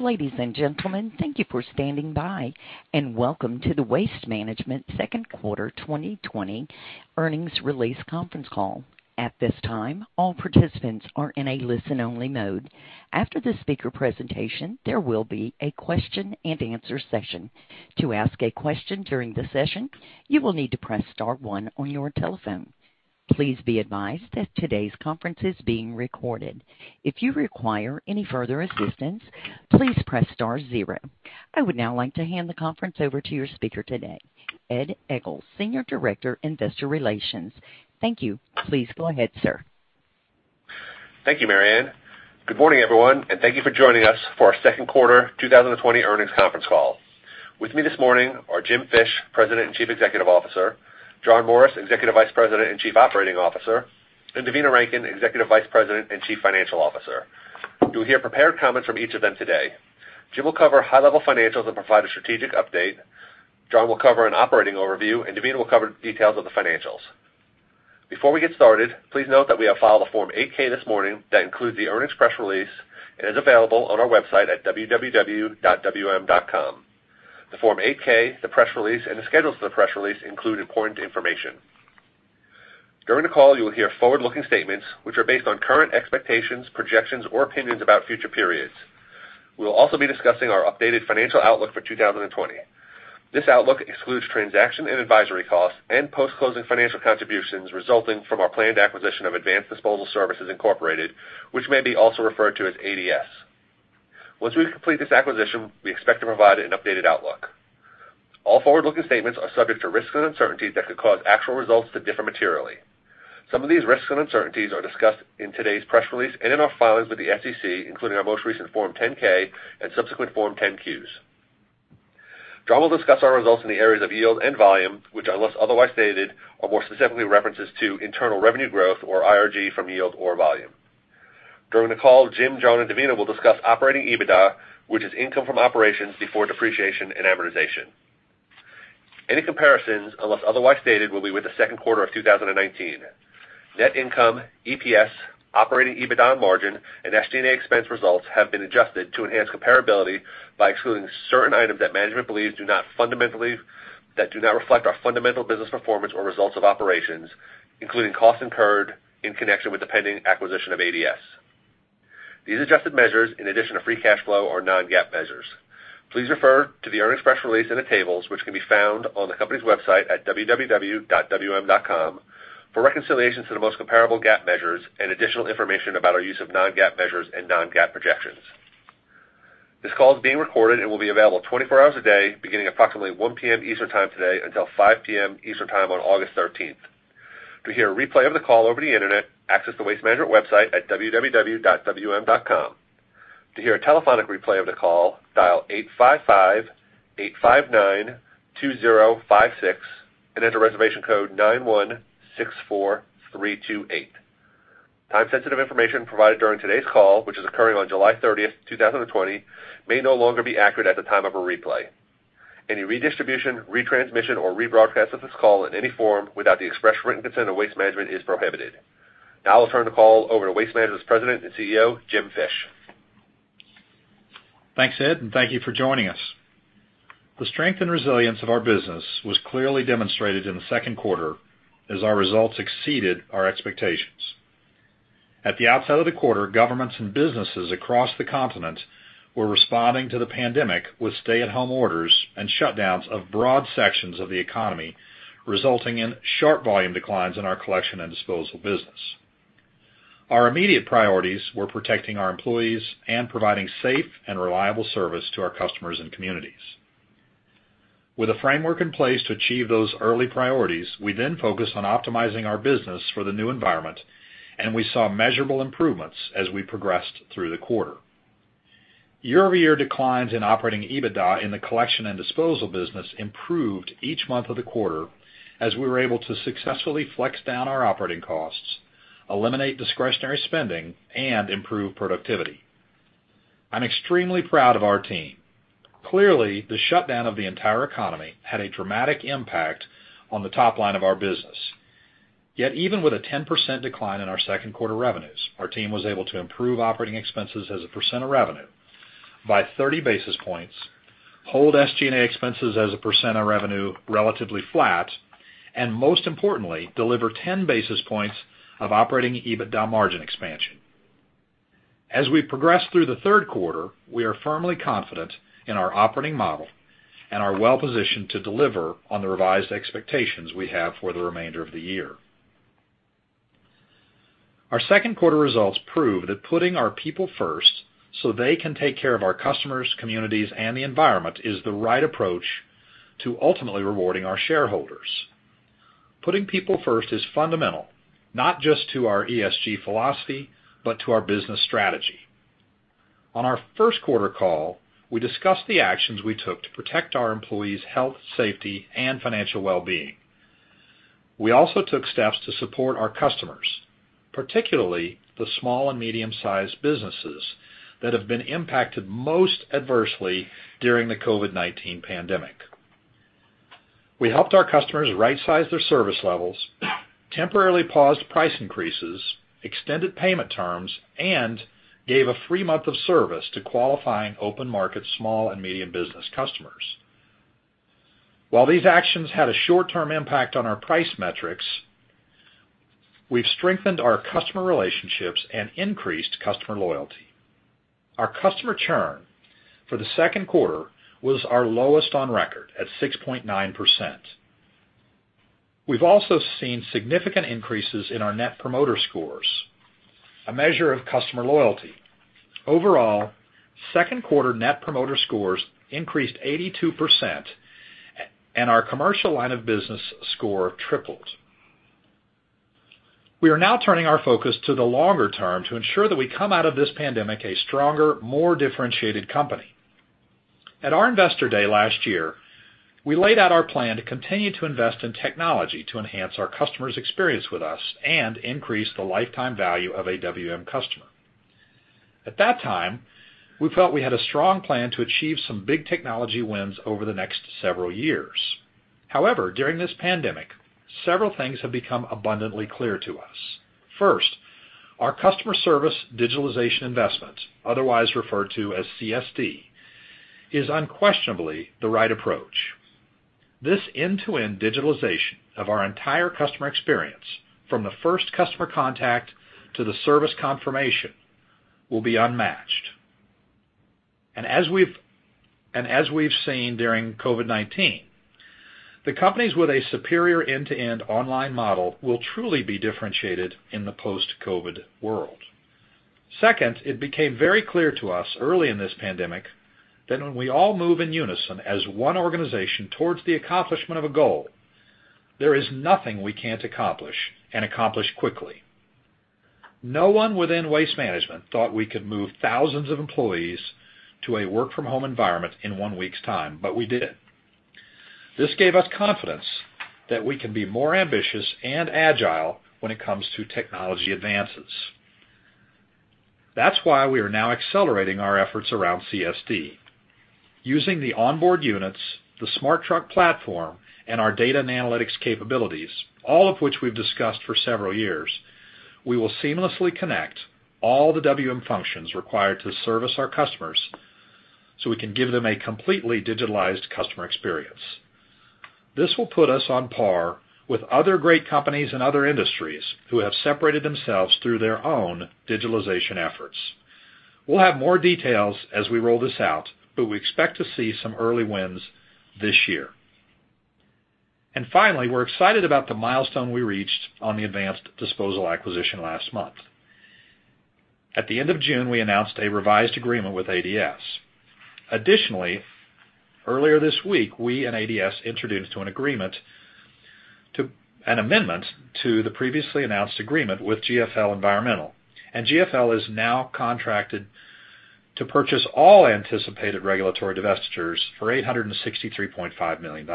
Ladies and gentlemen, thank you for standing by. Welcome to the Waste Management second quarter 2020 earnings release conference call. At this time, all participants are in a listen-only mode. After the speaker presentation, there will be a question-and-answer session. To ask a question during the session, you will need to press star one on your telephone. Please be advised that today's conference is being recorded. If you require any further assistance, please press star zero. I would now like to hand the conference over to your speaker today, Ed Egl, Senior Director, Investor Relations. Thank you. Please go ahead, sir. Thank you, Marianne. Good morning, everyone, and thank you for joining us for our second quarter 2020 earnings conference call. With me this morning are Jim Fish, President and Chief Executive Officer, John Morris, Executive Vice President and Chief Operating Officer, and Devina Rankin, Executive Vice President and Chief Financial Officer. You'll hear prepared comments from each of them today. Jim will cover high-level financials and provide a strategic update. John will cover an operating overview, and Devina will cover details of the financials. Before we get started, please note that we have filed a Form 8-K this morning that includes the earnings press release and is available on our website at www.wm.com. The Form 8-K, the press release, and the schedules for the press release include important information. During the call, you will hear forward-looking statements, which are based on current expectations, projections, or opinions about future periods. We will also be discussing our updated financial outlook for 2020. This outlook excludes transaction and advisory costs and post-closing financial contributions resulting from our planned acquisition of Advanced Disposal Services, Inc., which may be also referred to as ADS. Once we complete this acquisition, we expect to provide an updated outlook. All forward-looking statements are subject to risks and uncertainties that could cause actual results to differ materially. Some of these risks and uncertainties are discussed in today's press release and in our filings with the SEC, including our most recent Form 10-K and subsequent Form 10-Qs. John will discuss our results in the areas of yield and volume, which, unless otherwise stated, are more specifically references to internal revenue growth or IRG from yield or volume. During the call, Jim, John, and Devina will discuss operating EBITDA, which is income from operations before depreciation and amortization. Any comparisons, unless otherwise stated, will be with the second quarter of 2019. Net income, EPS, operating EBITDA margin, and SG&A expense results have been adjusted to enhance comparability by excluding certain items that management believes that do not reflect our fundamental business performance or results of operations, including costs incurred in connection with the pending acquisition of ADS. These adjusted measures, in addition to free cash flow, are non-GAAP measures. Please refer to the earnings press release and the tables, which can be found on the company's website at www.wm.com for reconciliations to the most comparable GAAP measures and additional information about our use of non-GAAP measures and non-GAAP projections. This call is being recorded and will be available 24 hours a day, beginning approximately 1:00 P.M. Eastern Time today until 5:00 P.M. Eastern Time on August 13th. To hear a replay of the call over the internet, access the Waste Management website at www.wm.com. To hear a telephonic replay of the call, dial 855-859-2056 and enter reservation code 9164328. Time-sensitive information provided during today's call, which is occurring on July 30th, 2020, may no longer be accurate at the time of a replay. Any redistribution, retransmission, or rebroadcast of this call in any form without the express written consent of Waste Management is prohibited. Now I'll turn the call over to Waste Management's President and CEO, Jim Fish. Thanks, Ed, and thank you for joining us. The strength and resilience of our business was clearly demonstrated in the second quarter as our results exceeded our expectations. At the outset of the quarter, governments and businesses across the continent were responding to the pandemic with stay-at-home orders and shutdowns of broad sections of the economy, resulting in sharp volume declines in our collection and disposal business. Our immediate priorities were protecting our employees and providing safe and reliable service to our customers and communities. With a framework in place to achieve those early priorities, we then focused on optimizing our business for the new environment, and we saw measurable improvements as we progressed through the quarter. Year-over-year declines in operating EBITDA in the collection and disposal business improved each month of the quarter as we were able to successfully flex down our operating costs, eliminate discretionary spending, and improve productivity. I'm extremely proud of our team. Clearly, the shutdown of the entire economy had a dramatic impact on the top line of our business. Yet even with a 10% decline in our second quarter revenues, our team was able to improve operating expenses as a percent of revenue by 30 basis points, hold SG&A expenses as a percent of revenue relatively flat, and most importantly, deliver 10 basis points of operating EBITDA margin expansion. As we progress through the third quarter, we are firmly confident in our operating model and are well positioned to deliver on the revised expectations we have for the remainder of the year. Our second quarter results prove that putting our people first so they can take care of our customers, communities, and the environment is the right approach to ultimately rewarding our shareholders. Putting people first is fundamental, not just to our ESG philosophy, but to our business strategy. On our first quarter call, we discussed the actions we took to protect our employees' health, safety, and financial well-being. We also took steps to support our customers, particularly the small and medium-sized businesses that have been impacted most adversely during the COVID-19 pandemic. We helped our customers right-size their service levels, temporarily paused price increases, extended payment terms, and gave a free month of service to qualifying open market small and medium business customers. While these actions had a short-term impact on our price metrics, we've strengthened our customer relationships and increased customer loyalty. Our customer churn for the second quarter was our lowest on record at 6.9%. We've also seen significant increases in our Net Promoter Score, a measure of customer loyalty. Overall, second quarter Net Promoter Score increased 82%, and our commercial line of business score tripled. We are now turning our focus to the longer term to ensure that we come out of this pandemic a stronger, more differentiated company. At our Investor Day last year, we laid out our plan to continue to invest in technology to enhance our customers' experience with us and increase the lifetime value of a WM customer. At that time, we felt we had a strong plan to achieve some big technology wins over the next several years. During this pandemic, several things have become abundantly clear to us. First, our Customer Service Digitalization investment, otherwise referred to as CSD, is unquestionably the right approach. This end-to-end digitalization of our entire customer experience from the first customer contact to the service confirmation will be unmatched. As we've seen during COVID-19, the companies with a superior end-to-end online model will truly be differentiated in the post-COVID world. Second, it became very clear to us early in this pandemic that when we all move in unison as one organization towards the accomplishment of a goal, there is nothing we can't accomplish and accomplish quickly. No one within Waste Management thought we could move thousands of employees to a work-from-home environment in one week's time, we did. This gave us confidence that we can be more ambitious and agile when it comes to technology advances. That's why we are now accelerating our efforts around CSD. Using the onboard units, the Smart Truck Platform, and our data and analytics capabilities, all of which we've discussed for several years, we will seamlessly connect all the WM functions required to service our customers so we can give them a completely digitalized customer experience. This will put us on par with other great companies in other industries who have separated themselves through their own digitalization efforts. Finally, we're excited about the milestone we reached on the Advanced Disposal acquisition last month. At the end of June, we announced a revised agreement with ADS. Additionally, earlier this week, we and ADS introduced an amendment to the previously announced agreement with GFL Environmental, and GFL is now contracted to purchase all anticipated regulatory divestitures for $863.5 million.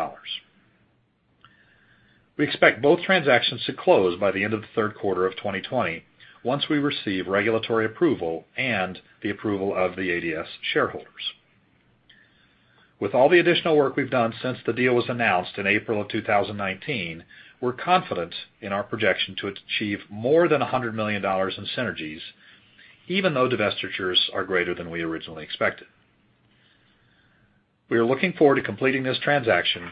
We expect both transactions to close by the end of the third quarter of 2020 once we receive regulatory approval and the approval of the ADS shareholders. With all the additional work we've done since the deal was announced in April of 2019, we're confident in our projection to achieve more than $100 million in synergies, even though divestitures are greater than we originally expected. We are looking forward to completing this transaction,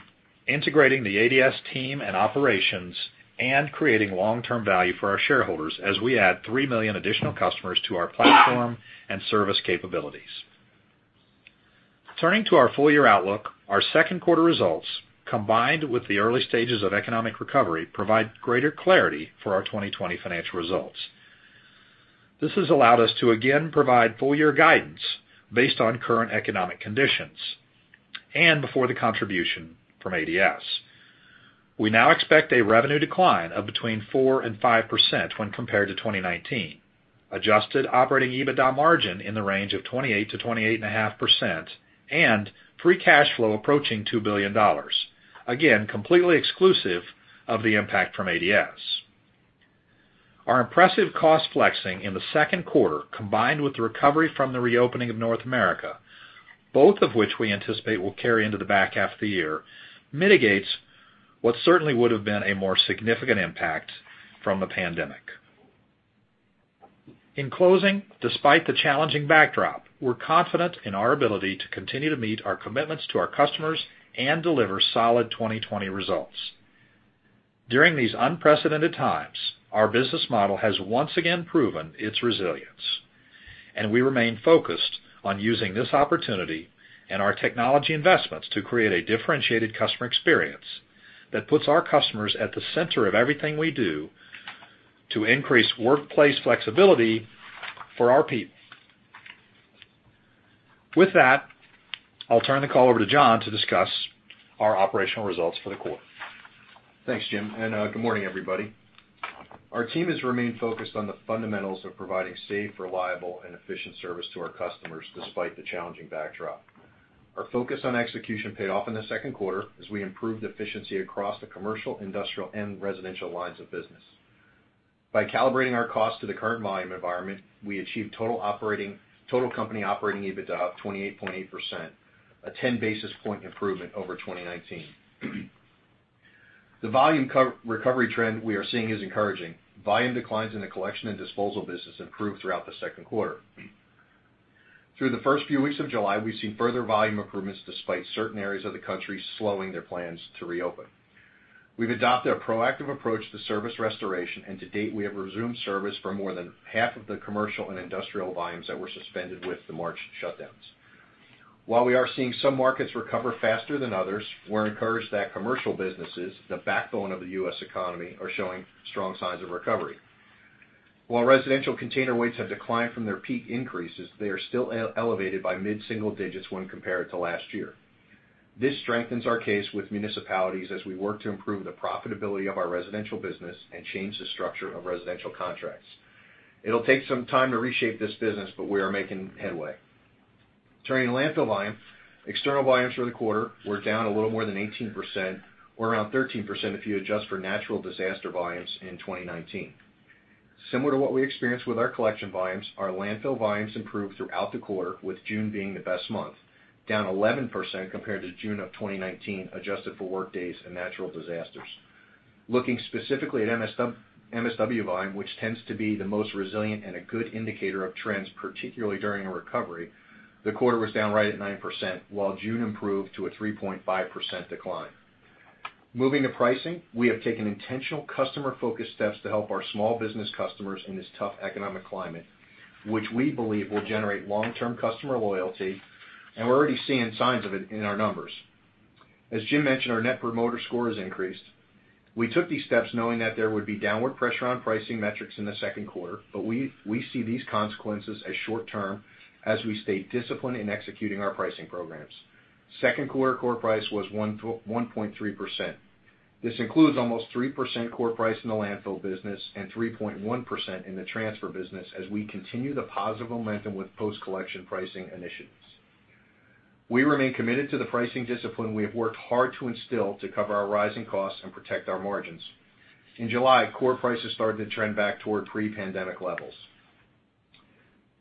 integrating the ADS team and operations, and creating long-term value for our shareholders as we add 3 million additional customers to our platform and service capabilities. Turning to our full year outlook, our second quarter results, combined with the early stages of economic recovery, provide greater clarity for our 2020 financial results. This has allowed us to again provide full-year guidance based on current economic conditions and before the contribution from ADS. We now expect a revenue decline of between 4% and 5% when compared to 2019. Adjusted operating EBITDA margin in the range of 28%-28.5%, and free cash flow approaching $2 billion. Again, completely exclusive of the impact from ADS. Our impressive cost flexing in the second quarter, combined with the recovery from the reopening of North America, both of which we anticipate will carry into the back half of the year, mitigates what certainly would have been a more significant impact from the pandemic. In closing, despite the challenging backdrop, we're confident in our ability to continue to meet our commitments to our customers and deliver solid 2020 results. During these unprecedented times, our business model has once again proven its resilience, and we remain focused on using this opportunity and our technology investments to create a differentiated customer experience that puts our customers at the center of everything we do to increase workplace flexibility for our people. With that, I'll turn the call over to John to discuss our operational results for the quarter. Thanks, Jim. Good morning, everybody. Our team has remained focused on the fundamentals of providing safe, reliable, and efficient service to our customers despite the challenging backdrop. Our focus on execution paid off in the second quarter as we improved efficiency across the commercial, industrial, and residential lines of business. By calibrating our cost to the current volume environment, we achieved total company operating EBITDA of 28.8%, a 10 basis point improvement over 2019. The volume recovery trend we are seeing is encouraging. Volume declines in the collection and disposal business improved throughout the second quarter. Through the first few weeks of July, we've seen further volume improvements despite certain areas of the country slowing their plans to reopen. We've adopted a proactive approach to service restoration, and to date, we have resumed service for more than half of the commercial and industrial volumes that were suspended with the March shutdowns. While we are seeing some markets recover faster than others, we're encouraged that commercial businesses, the backbone of the U.S. economy, are showing strong signs of recovery. While residential container weights have declined from their peak increases, they are still elevated by mid-single digits when compared to last year. This strengthens our case with municipalities as we work to improve the profitability of our residential business and change the structure of residential contracts. It'll take some time to reshape this business, but we are making headway. Turning to landfill volume, external volumes for the quarter were down a little more than 18%, or around 13% if you adjust for natural disaster volumes in 2019. Similar to what we experienced with our collection volumes, our landfill volumes improved throughout the quarter, with June being the best month, down 11% compared to June of 2019, adjusted for workdays and natural disasters. Looking specifically at MSW volume, which tends to be the most resilient and a good indicator of trends, particularly during a recovery, the quarter was down right at 9%, while June improved to a 3.5% decline. Moving to pricing, we have taken intentional customer-focused steps to help our small business customers in this tough economic climate, which we believe will generate long-term customer loyalty, and we're already seeing signs of it in our numbers. As Jim mentioned, our Net Promoter Score has increased. We took these steps knowing that there would be downward pressure on pricing metrics in the second quarter, but we see these consequences as short-term as we stay disciplined in executing our pricing programs. Second quarter core price was 1.3%. This includes almost 3% core price in the landfill business and 3.1% in the transfer business as we continue the positive momentum with post-collection pricing initiatives. We remain committed to the pricing discipline we have worked hard to instill to cover our rising costs and protect our margins. In July, core prices started to trend back toward pre-pandemic levels.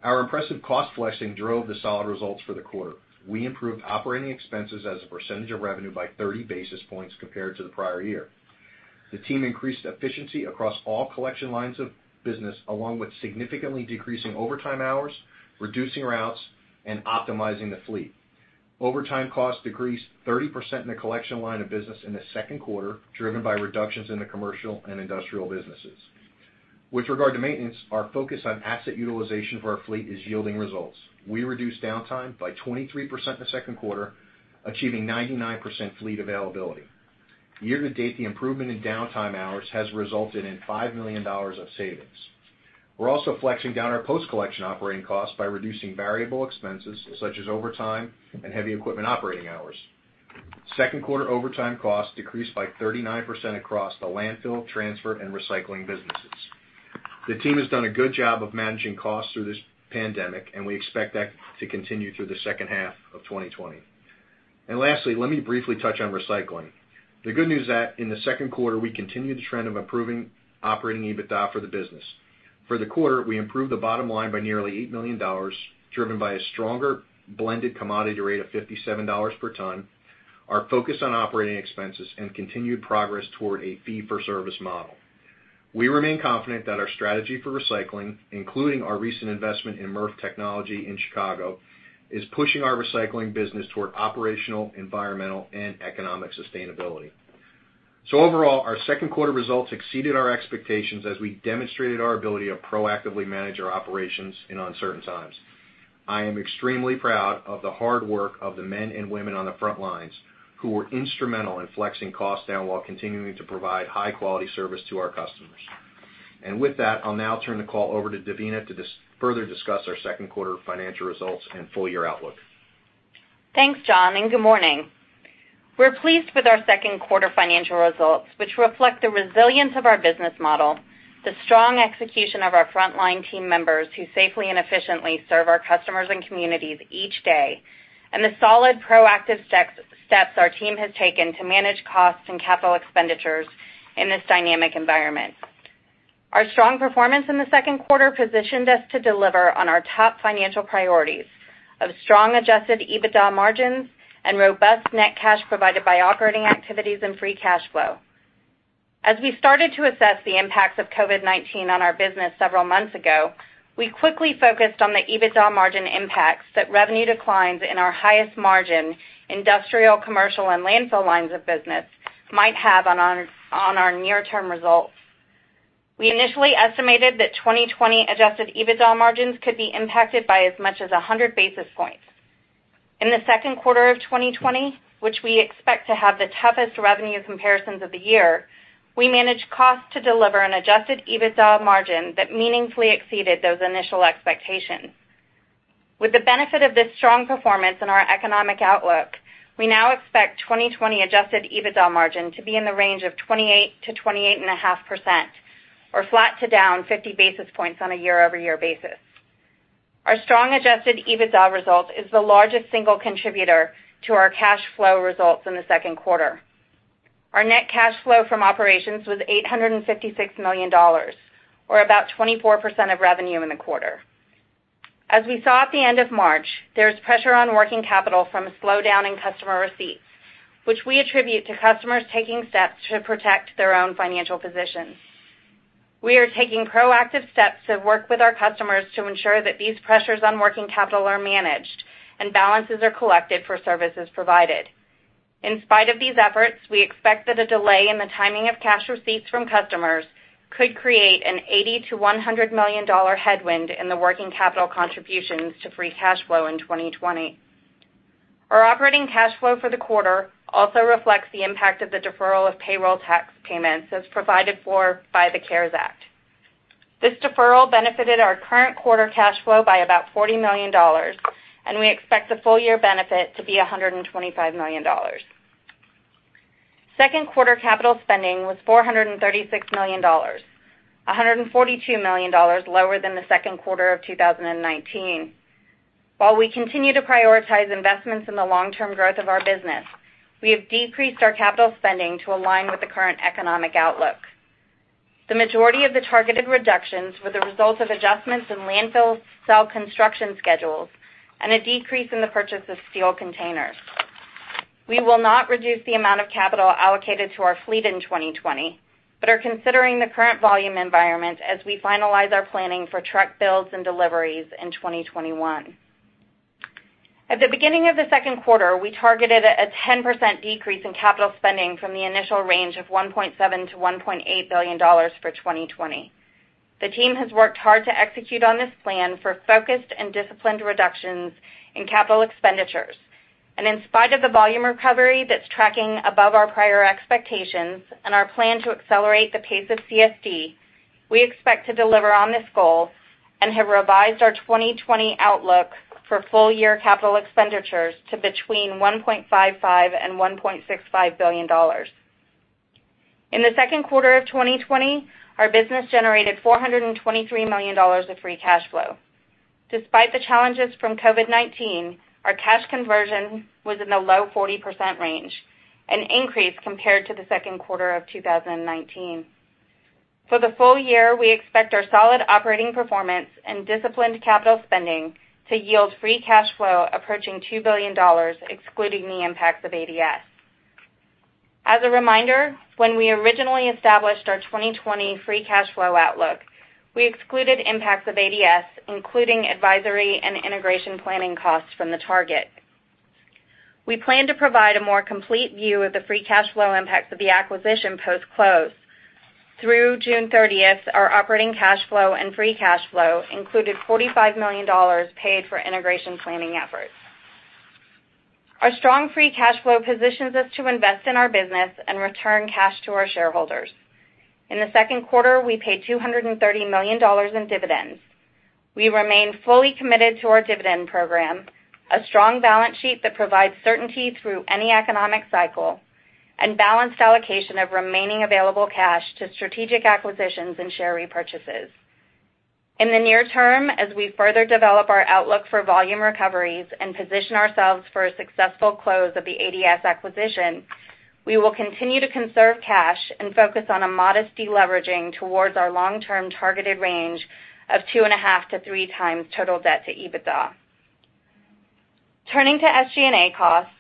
Our impressive cost flexing drove the solid results for the quarter. We improved operating expenses as a percentage of revenue by 30 basis points compared to the prior year. The team increased efficiency across all collection lines of business, along with significantly decreasing overtime hours, reducing routes, and optimizing the fleet. Overtime costs decreased 30% in the collection line of business in the second quarter, driven by reductions in the commercial and industrial businesses. With regard to maintenance, our focus on asset utilization for our fleet is yielding results. We reduced downtime by 23% in the second quarter, achieving 99% fleet availability. Year-to-date, the improvement in downtime hours has resulted in $5 million of savings. We're also flexing down our post-collection operating costs by reducing variable expenses such as overtime and heavy equipment operating hours. Second quarter overtime costs decreased by 39% across the landfill, transfer, and recycling businesses. The team has done a good job of managing costs through this pandemic, we expect that to continue through the second half of 2020. Lastly, let me briefly touch on recycling. The good news is that in the second quarter, we continued the trend of improving operating EBITDA for the business. For the quarter, we improved the bottom line by nearly $8 million, driven by a stronger blended commodity rate of $57 per ton, our focus on operating expenses, and continued progress toward a fee-for-service model. We remain confident that our strategy for recycling, including our recent investment in MRF technology in Chicago, is pushing our recycling business toward operational, environmental, and economic sustainability. Overall, our second quarter results exceeded our expectations as we demonstrated our ability to proactively manage our operations in uncertain times. I am extremely proud of the hard work of the men and women on the front lines who were instrumental in flexing costs down while continuing to provide high-quality service to our customers. With that, I'll now turn the call over to Devina to further discuss our second quarter financial results and full-year outlook. Thanks, John. Good morning. We're pleased with our second quarter financial results, which reflect the resilience of our business model, the strong execution of our frontline team members who safely and efficiently serve our customers and communities each day, and the solid, proactive steps our team has taken to manage costs and capital expenditures in this dynamic environment. Our strong performance in the second quarter positioned us to deliver on our top financial priorities of strong adjusted EBITDA margins and robust net cash provided by operating activities and free cash flow. As we started to assess the impacts of COVID-19 on our business several months ago, we quickly focused on the EBITDA margin impacts that revenue declines in our highest margin industrial, commercial, and landfill lines of business might have on our near-term results. We initially estimated that 2020 adjusted EBITDA margins could be impacted by as much as 100 basis points. In the second quarter of 2020, which we expect to have the toughest revenue comparisons of the year, we managed costs to deliver an adjusted EBITDA margin that meaningfully exceeded those initial expectations. With the benefit of this strong performance in our economic outlook, we now expect 2020 adjusted EBITDA margin to be in the range of 28%-28.5%, or flat to down 50 basis points on a year-over-year basis. Our strong adjusted EBITDA result is the largest single contributor to our cash flow results in the second quarter. Our net cash flow from operations was $856 million, or about 24% of revenue in the quarter. As we saw at the end of March, there is pressure on working capital from a slowdown in customer receipts, which we attribute to customers taking steps to protect their own financial positions. We are taking proactive steps to work with our customers to ensure that these pressures on working capital are managed and balances are collected for services provided. In spite of these efforts, we expect that a delay in the timing of cash receipts from customers could create an $80 million-$100 million headwind in the working capital contributions to free cash flow in 2020. Our operating cash flow for the quarter also reflects the impact of the deferral of payroll tax payments as provided for by the CARES Act. This deferral benefited our current quarter cash flow by about $40 million, and we expect the full year benefit to be $125 million. Second quarter capital spending was $436 million, $142 million lower than the second quarter of 2019. While we continue to prioritize investments in the long-term growth of our business, we have decreased our capital spending to align with the current economic outlook. The majority of the targeted reductions were the result of adjustments in landfill cell construction schedules and a decrease in the purchase of steel containers. We will not reduce the amount of capital allocated to our fleet in 2020, but are considering the current volume environment as we finalize our planning for truck builds and deliveries in 2021. At the beginning of the second quarter, we targeted a 10% decrease in capital spending from the initial range of $1.7 billion-$1.8 billion for 2020. The team has worked hard to execute on this plan for focused and disciplined reductions in capital expenditures. In spite of the volume recovery that's tracking above our prior expectations and our plan to accelerate the pace of CSD, we expect to deliver on this goal and have revised our 2020 outlook for full year capital expenditures to between $1.55 billion and $1.65 billion. In the second quarter of 2020, our business generated $423 million of free cash flow. Despite the challenges from COVID-19, our cash conversion was in the low 40% range, an increase compared to the second quarter of 2019. For the full year, we expect our solid operating performance and disciplined capital spending to yield free cash flow approaching $2 billion, excluding the impacts of ADS. As a reminder, when we originally established our 2020 free cash flow outlook, we excluded impacts of ADS, including advisory and integration planning costs from the target. We plan to provide a more complete view of the free cash flow impacts of the acquisition post-close. Through June 30th, our operating cash flow and free cash flow included $45 million paid for integration planning efforts. Our strong free cash flow positions us to invest in our business and return cash to our shareholders. In the second quarter, we paid $230 million in dividends. We remain fully committed to our dividend program, a strong balance sheet that provides certainty through any economic cycle, and balanced allocation of remaining available cash to strategic acquisitions and share repurchases. In the near term, as we further develop our outlook for volume recoveries and position ourselves for a successful close of the ADS acquisition, we will continue to conserve cash and focus on a modest deleveraging towards our long-term targeted range of 2.5x-3x total debt to EBITDA. Turning to SG&A costs,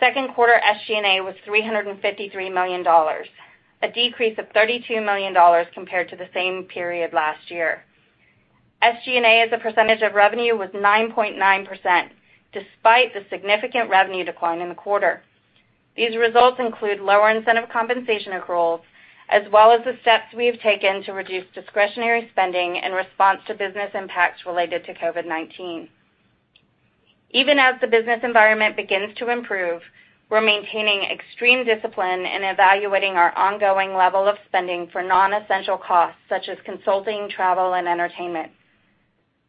second quarter SG&A was $353 million, a decrease of $32 million compared to the same period last year. SG&A as a percentage of revenue was 9.9%, despite the significant revenue decline in the quarter. These results include lower incentive compensation accruals, as well as the steps we have taken to reduce discretionary spending in response to business impacts related to COVID-19. Even as the business environment begins to improve, we're maintaining extreme discipline in evaluating our ongoing level of spending for non-essential costs, such as consulting, travel, and entertainment.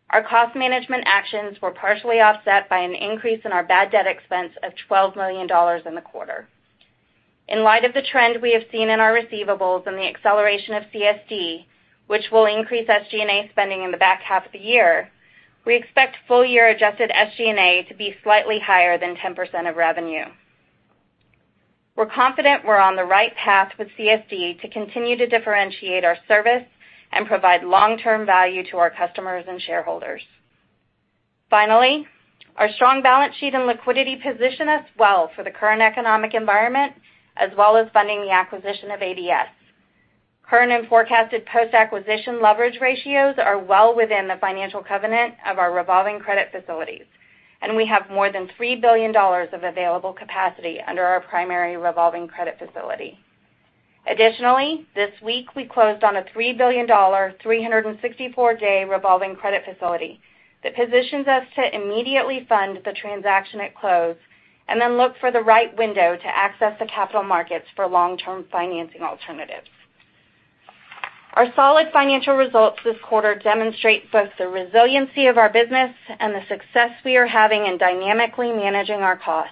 Our cost management actions were partially offset by an increase in our bad debt expense of $12 million in the quarter. In light of the trend we have seen in our receivables and the acceleration of CSD, which will increase SG&A spending in the back half of the year, we expect full year adjusted SG&A to be slightly higher than 10% of revenue. We're confident we're on the right path with CSD to continue to differentiate our service and provide long-term value to our customers and shareholders. Finally, our strong balance sheet and liquidity position us well for the current economic environment, as well as funding the acquisition of ADS. Current and forecasted post-acquisition leverage ratios are well within the financial covenant of our revolving credit facilities, and we have more than $3 billion of available capacity under our primary revolving credit facility. Additionally, this week we closed on a $3 billion 364-day revolving credit facility that positions us to immediately fund the transaction at close and then look for the right window to access the capital markets for long-term financing alternatives. Our solid financial results this quarter demonstrate both the resiliency of our business and the success we are having in dynamically managing our costs.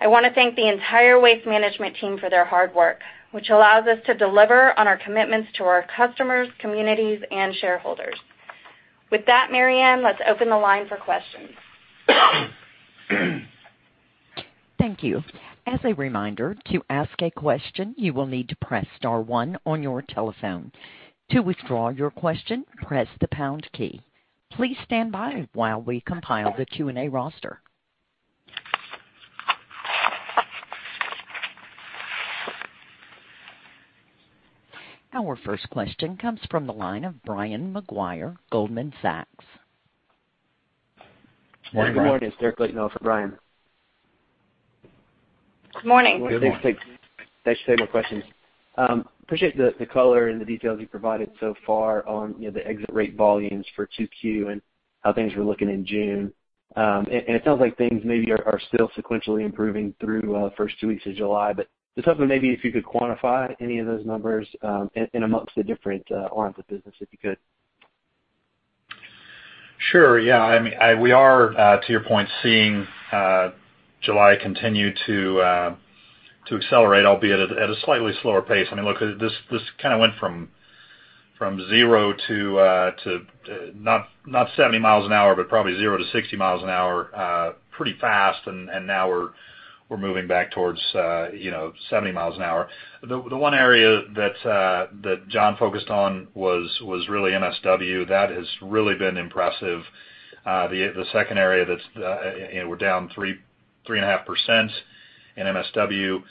I want to thank the entire Waste Management team for their hard work, which allows us to deliver on our commitments to our customers, communities, and shareholders. With that, Marianne, let's open the line for questions. Thank you. As a reminder, to ask a question, you will need to press star one on your telephone. To withdraw your question, press the pound key. Please stand by while we compile the Q&A roster. Our first question comes from the line of Brian Maguire, Goldman Sachs. Good morning. It's Derrick Laton for Brian. Good morning. Good morning. Thanks. I just have a question. Appreciate the color and the details you provided so far on the exit rate volumes for 2Q and how things were looking in June. It sounds like things maybe are still sequentially improving through the first two weeks of July, just hoping maybe if you could quantify any of those numbers in amongst the different lines of business, if you could. Sure. Yeah. We are, to your point, seeing July continue to accelerate, albeit at a slightly slower pace. Look, this kind of went from zero to not 70 mi an hour, but probably zero to 60 mi an hour, pretty fast. Now we're moving back towards 70 mi an hour. The one area that John focused on was really MSW. That has really been impressive. The second area that we're down 3.5% in MSW.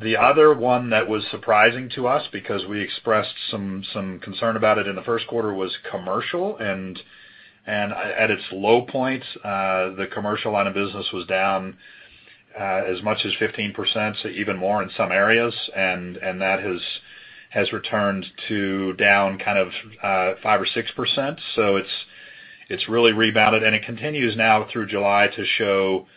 The other one that was surprising to us, because we expressed some concern about it in the first quarter, was commercial. At its low point, the commercial line of business was down as much as 15%, so even more in some areas. That has returned to down 5% or 6%. It's really rebounded, and it continues now through July to show improvement.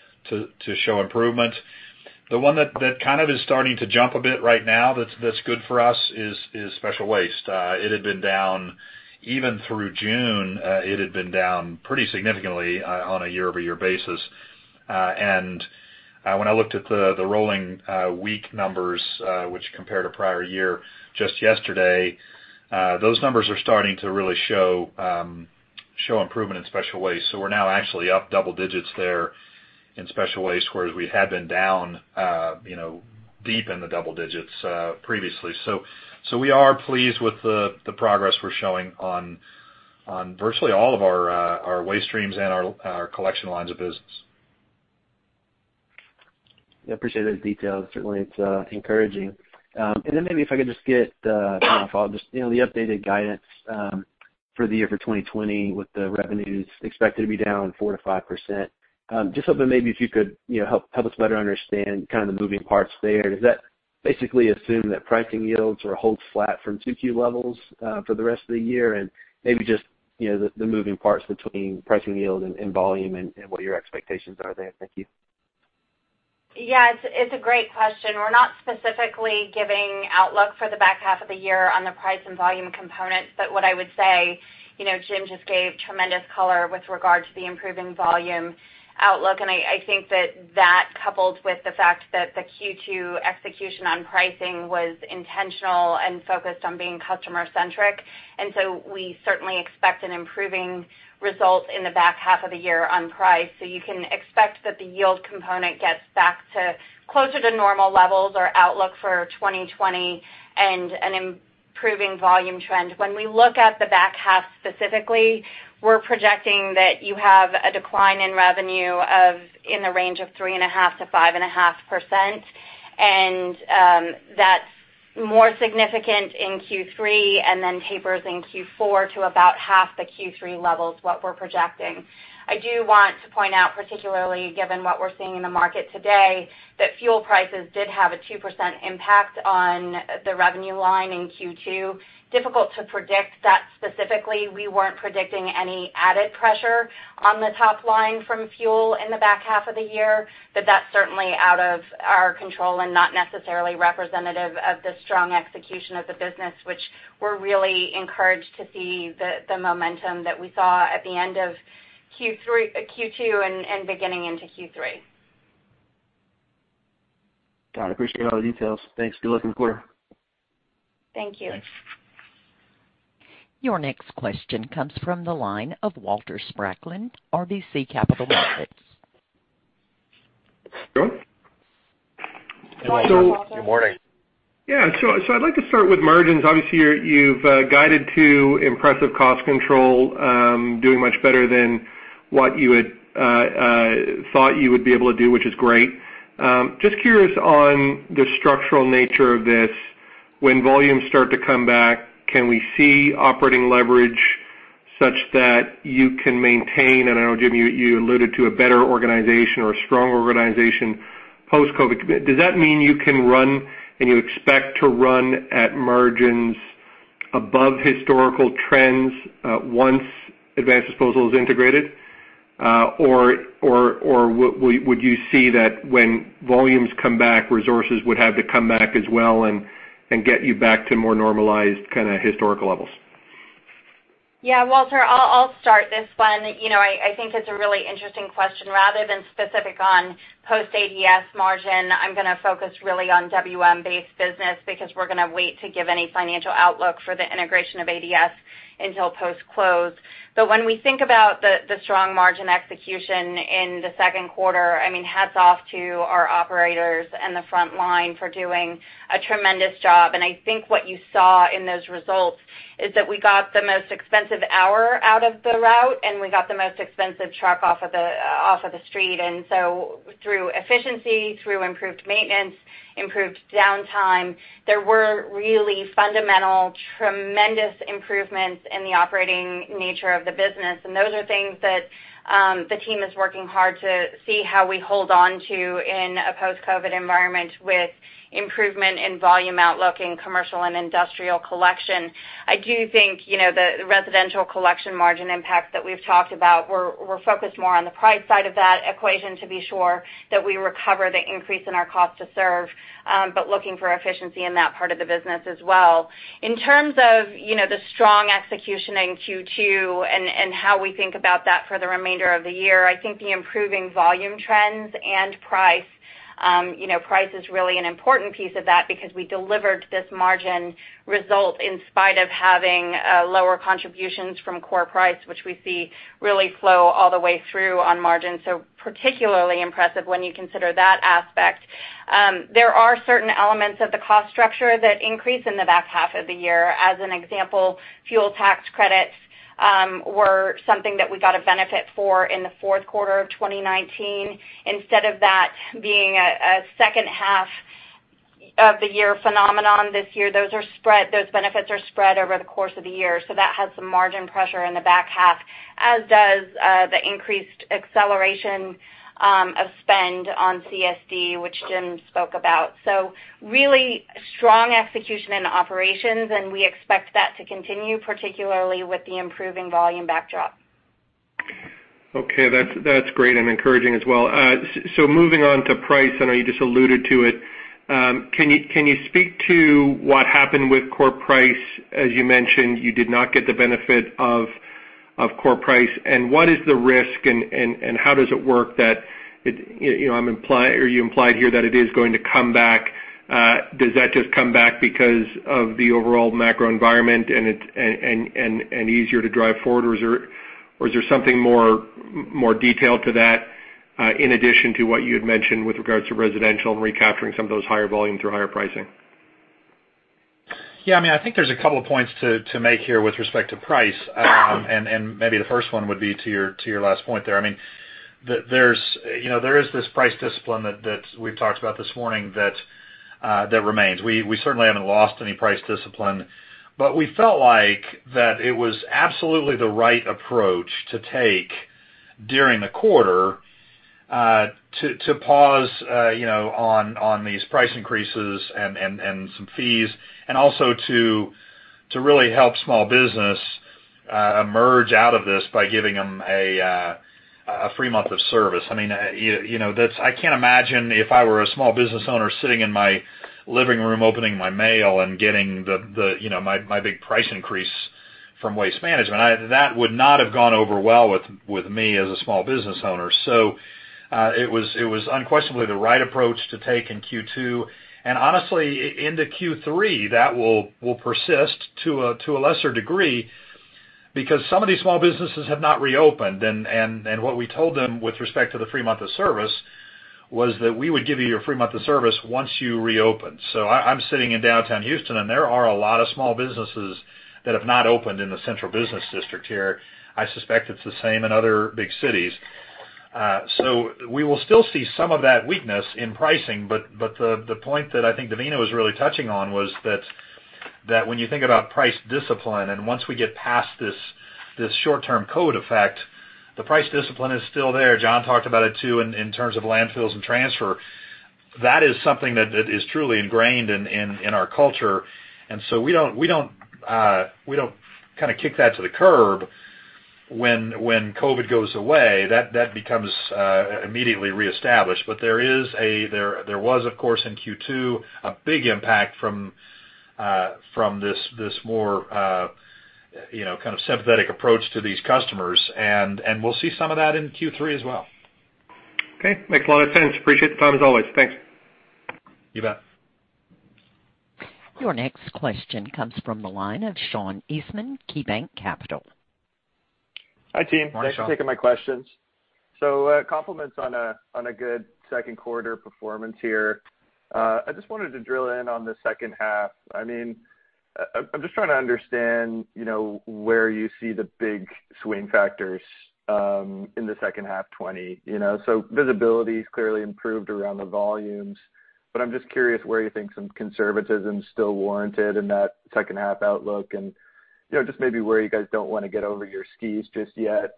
The one that kind of is starting to jump a bit right now that's good for us is special waste. It had been down even through June. It had been down pretty significantly on a year-over-year basis. When I looked at the rolling week numbers, which compared to prior year just yesterday, those numbers are starting to really show improvement in special waste. We're now actually up double digits there in special waste, whereas we had been down deep in the double digits previously. We are pleased with the progress we're showing on virtually all of our waste streams and our collection lines of business. I appreciate those details. Certainly, it's encouraging. Maybe if I could just get the updated guidance for the year for 2020 with the revenues expected to be down 4%-5%. Just hoping maybe if you could help us better understand the moving parts there. Does that basically assume that pricing yields will hold flat from 2Q levels for the rest of the year? Maybe just the moving parts between pricing yield and volume, and what your expectations are there. Thank you. It's a great question. We're not specifically giving outlook for the back half of the year on the price and volume components. What I would say, Jim just gave tremendous color with regard to the improving volume outlook, and I think that that, coupled with the fact that the Q2 execution on pricing was intentional and focused on being customer-centric. We certainly expect an improving result in the back half of the year on price. You can expect that the yield component gets back to closer to normal levels or outlook for 2020 and an improving volume trend. When we look at the back half specifically, we're projecting that you have a decline in revenue in the range of 3.5%-5.5%, and that's more significant in Q3 and then tapers in Q4 to about half the Q3 levels, what we're projecting. I do want to point out, particularly given what we're seeing in the market today, that fuel prices did have a 2% impact on the revenue line in Q2. Difficult to predict that specifically. We weren't predicting any added pressure on the top line from fuel in the back half of the year, but that's certainly out of our control and not necessarily representative of the strong execution of the business, which we're really encouraged to see the momentum that we saw at the end of Q2 and beginning into Q3. Got it. Appreciate all the details. Thanks. Good luck in the quarter. Thank you. Thanks. Your next question comes from the line of Walter Spracklin, RBC Capital Markets. Hello. Welcome, Walter. Good morning. I'd like to start with margins. Obviously, you've guided to impressive cost control, doing much better than what you had thought you would be able to do, which is great. Just curious on the structural nature of this. When volumes start to come back, can we see operating leverage such that you can maintain, and I know, Jim, you alluded to a better organization or a strong organization post-COVID? Does that mean you can run and you expect to run at margins above historical trends once Advanced Disposal is integrated? Would you see that when volumes come back, resources would have to come back as well and get you back to more normalized kind of historical levels? Yeah, Walter, I'll start this one. I think it's a really interesting question. Rather than specific on post-ADS margin, I'm going to focus really on WM-based business because we're going to wait to give any financial outlook for the integration of ADS until post-close. When we think about the strong margin execution in the second quarter, hats off to our operators and the front line for doing a tremendous job. I think what you saw in those results is that we got the most expensive hour out of the route, and we got the most expensive truck off of the street. Through efficiency, through improved maintenance, improved downtime, there were really fundamental, tremendous improvements in the operating nature of the business. Those are things that the team is working hard to see how we hold on to in a post-COVID environment with improvement in volume outlook in commercial and industrial collection. I do think, the residential collection margin impact that we've talked about, we're focused more on the price side of that equation to be sure that we recover the increase in our cost to serve, but looking for efficiency in that part of the business as well. In terms of the strong execution in Q2 and how we think about that for the remainder of the year, I think the improving volume trends and price. Price is really an important piece of that because we delivered this margin result in spite of having lower contributions from core price, which we see really flow all the way through on margin. Particularly impressive when you consider that aspect. There are certain elements of the cost structure that increase in the back half of the year. As an example, fuel tax credits were something that we got a benefit for in the fourth quarter of 2019. Instead of that being a second half of the year phenomenon this year, those benefits are spread over the course of the year. That has some margin pressure in the back half, as does the increased acceleration of spend on CSD, which Jim spoke about. Really strong execution in operations, and we expect that to continue, particularly with the improving volume backdrop. Okay. That's great and encouraging as well. Moving on to price, I know you just alluded to it. Can you speak to what happened with core price? As you mentioned, you did not get the benefit of core price. What is the risk, and how does it work that you implied here that it is going to come back? Does that just come back because of the overall macro environment and easier to drive forward? Is there something more detailed to that in addition to what you had mentioned with regards to residential and recapturing some of those higher volumes or higher pricing? Yeah, I think there's a couple of points to make here with respect to price. Maybe the first one would be to your last point there. There is this price discipline that we've talked about this morning that remains. We certainly haven't lost any price discipline, but we felt like that it was absolutely the right approach to take during the quarter to pause on these price increases and some fees, and also to really help small business emerge out of this by giving them a free month of service. I can't imagine if I were a small business owner sitting in my living room, opening my mail and getting my big price increase from Waste Management. That would not have gone over well with me as a small business owner. It was unquestionably the right approach to take in Q2, and honestly, into Q3, that will persist to a lesser degree because some of these small businesses have not reopened. What we told them with respect to the free month of service was that we would give you your free month of service once you reopen. I'm sitting in downtown Houston, and there are a lot of small businesses that have not opened in the central business district here. I suspect it's the same in other big cities. We will still see some of that weakness in pricing, but the point that I think Devina was really touching on was that when you think about price discipline, and once we get past this short-term COVID effect, the price discipline is still there. John talked about it, too, in terms of landfills and transfer. That is something that is truly ingrained in our culture. We don't kick that to the curb when COVID goes away. That becomes immediately reestablished. There was, of course, in Q2, a big impact from this more kind of sympathetic approach to these customers, and we'll see some of that in Q3 as well. Okay. Makes a lot of sense. Appreciate the time, as always. Thanks. You bet. Your next question comes from the line of Sean Eastman, KeyBanc Capital. Hi, team. Morning, Sean. Thanks for taking my questions. Compliments on a good second quarter performance here. I just wanted to drill in on the second half. I'm just trying to understand where you see the big swing factors in the second half 2020. Visibility's clearly improved around the volumes, but I'm just curious where you think some conservatism's still warranted in that second half outlook and just maybe where you guys don't want to get over your skis just yet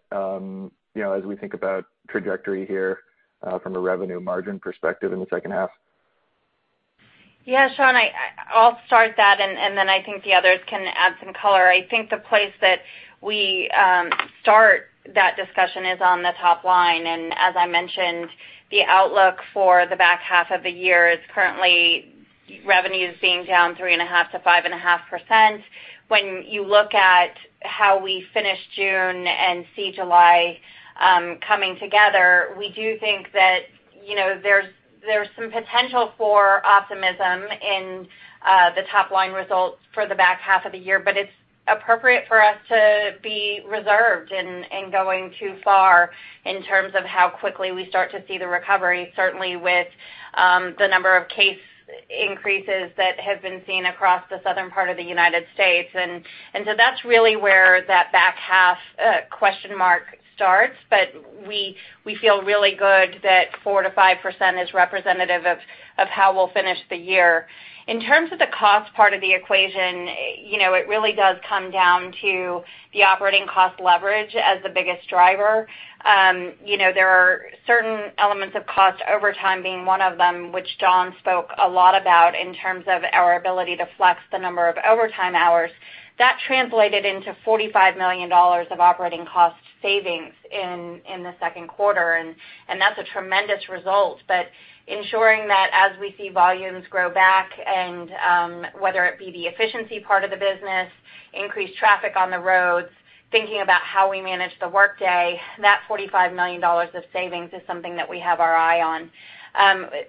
as we think about trajectory here from a revenue margin perspective in the second half. Yeah, Sean, I'll start that, and then I think the others can add some color. I think the place that we start that discussion is on the top line. As I mentioned, the outlook for the back half of the year is currently revenues being down 3.5% to 5.5%. When you look at how we finished June and see July coming together, we do think that there's some potential for optimism in the top-line results for the back half of the year. It's appropriate for us to be reserved in going too far in terms of how quickly we start to see the recovery, certainly with the number of case increases that have been seen across the southern part of the U.S. That's really where that back half question mark starts, but we feel really good that 4%-5% is representative of how we'll finish the year. In terms of the cost part of the equation, it really does come down to the operating cost leverage as the biggest driver. There are certain elements of cost, overtime being one of them, which John spoke a lot about in terms of our ability to flex the number of overtime hours. That translated into $45 million of operating cost savings in the second quarter, and that's a tremendous result. Ensuring that as we see volumes grow back and whether it be the efficiency part of the business, increased traffic on the roads, thinking about how we manage the workday, that $45 million of savings is something that we have our eye on.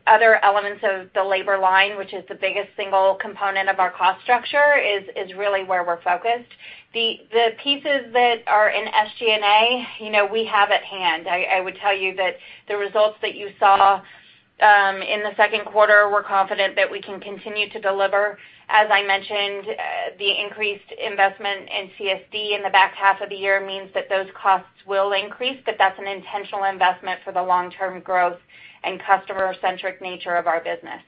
Other elements of the labor line, which is the biggest single component of our cost structure, is really where we're focused. The pieces that are in SG&A, we have at hand. I would tell you that the results that you saw in the second quarter, we're confident that we can continue to deliver. As I mentioned, the increased investment in CSD in the back half of the year means that those costs will increase, but that's an intentional investment for the long-term growth and customer-centric nature of our business.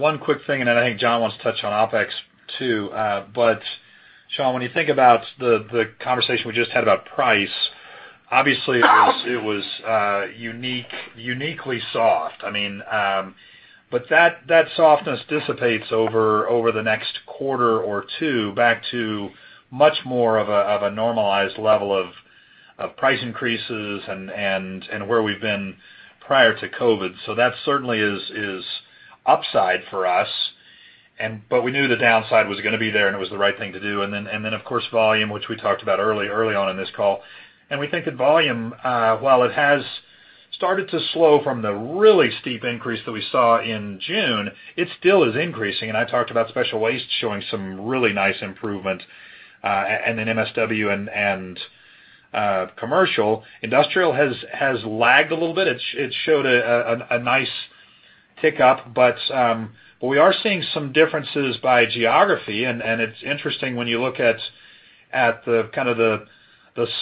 One quick thing, and then I think John wants to touch on OpEx too. Sean, when you think about the conversation we just had about price, obviously it was uniquely soft. That softness dissipates over the next quarter or two back to much more of a normalized level of price increases and where we've been prior to COVID. That certainly is upside for us. We knew the downside was going to be there, and it was the right thing to do. Of course, volume, which we talked about early on in this call. We think that volume, while it has started to slow from the really steep increase that we saw in June, it still is increasing. I talked about special waste showing some really nice improvement and then MSW and commercial. Industrial has lagged a little bit. It showed a nice tick up, but we are seeing some differences by geography, and it's interesting when you look at the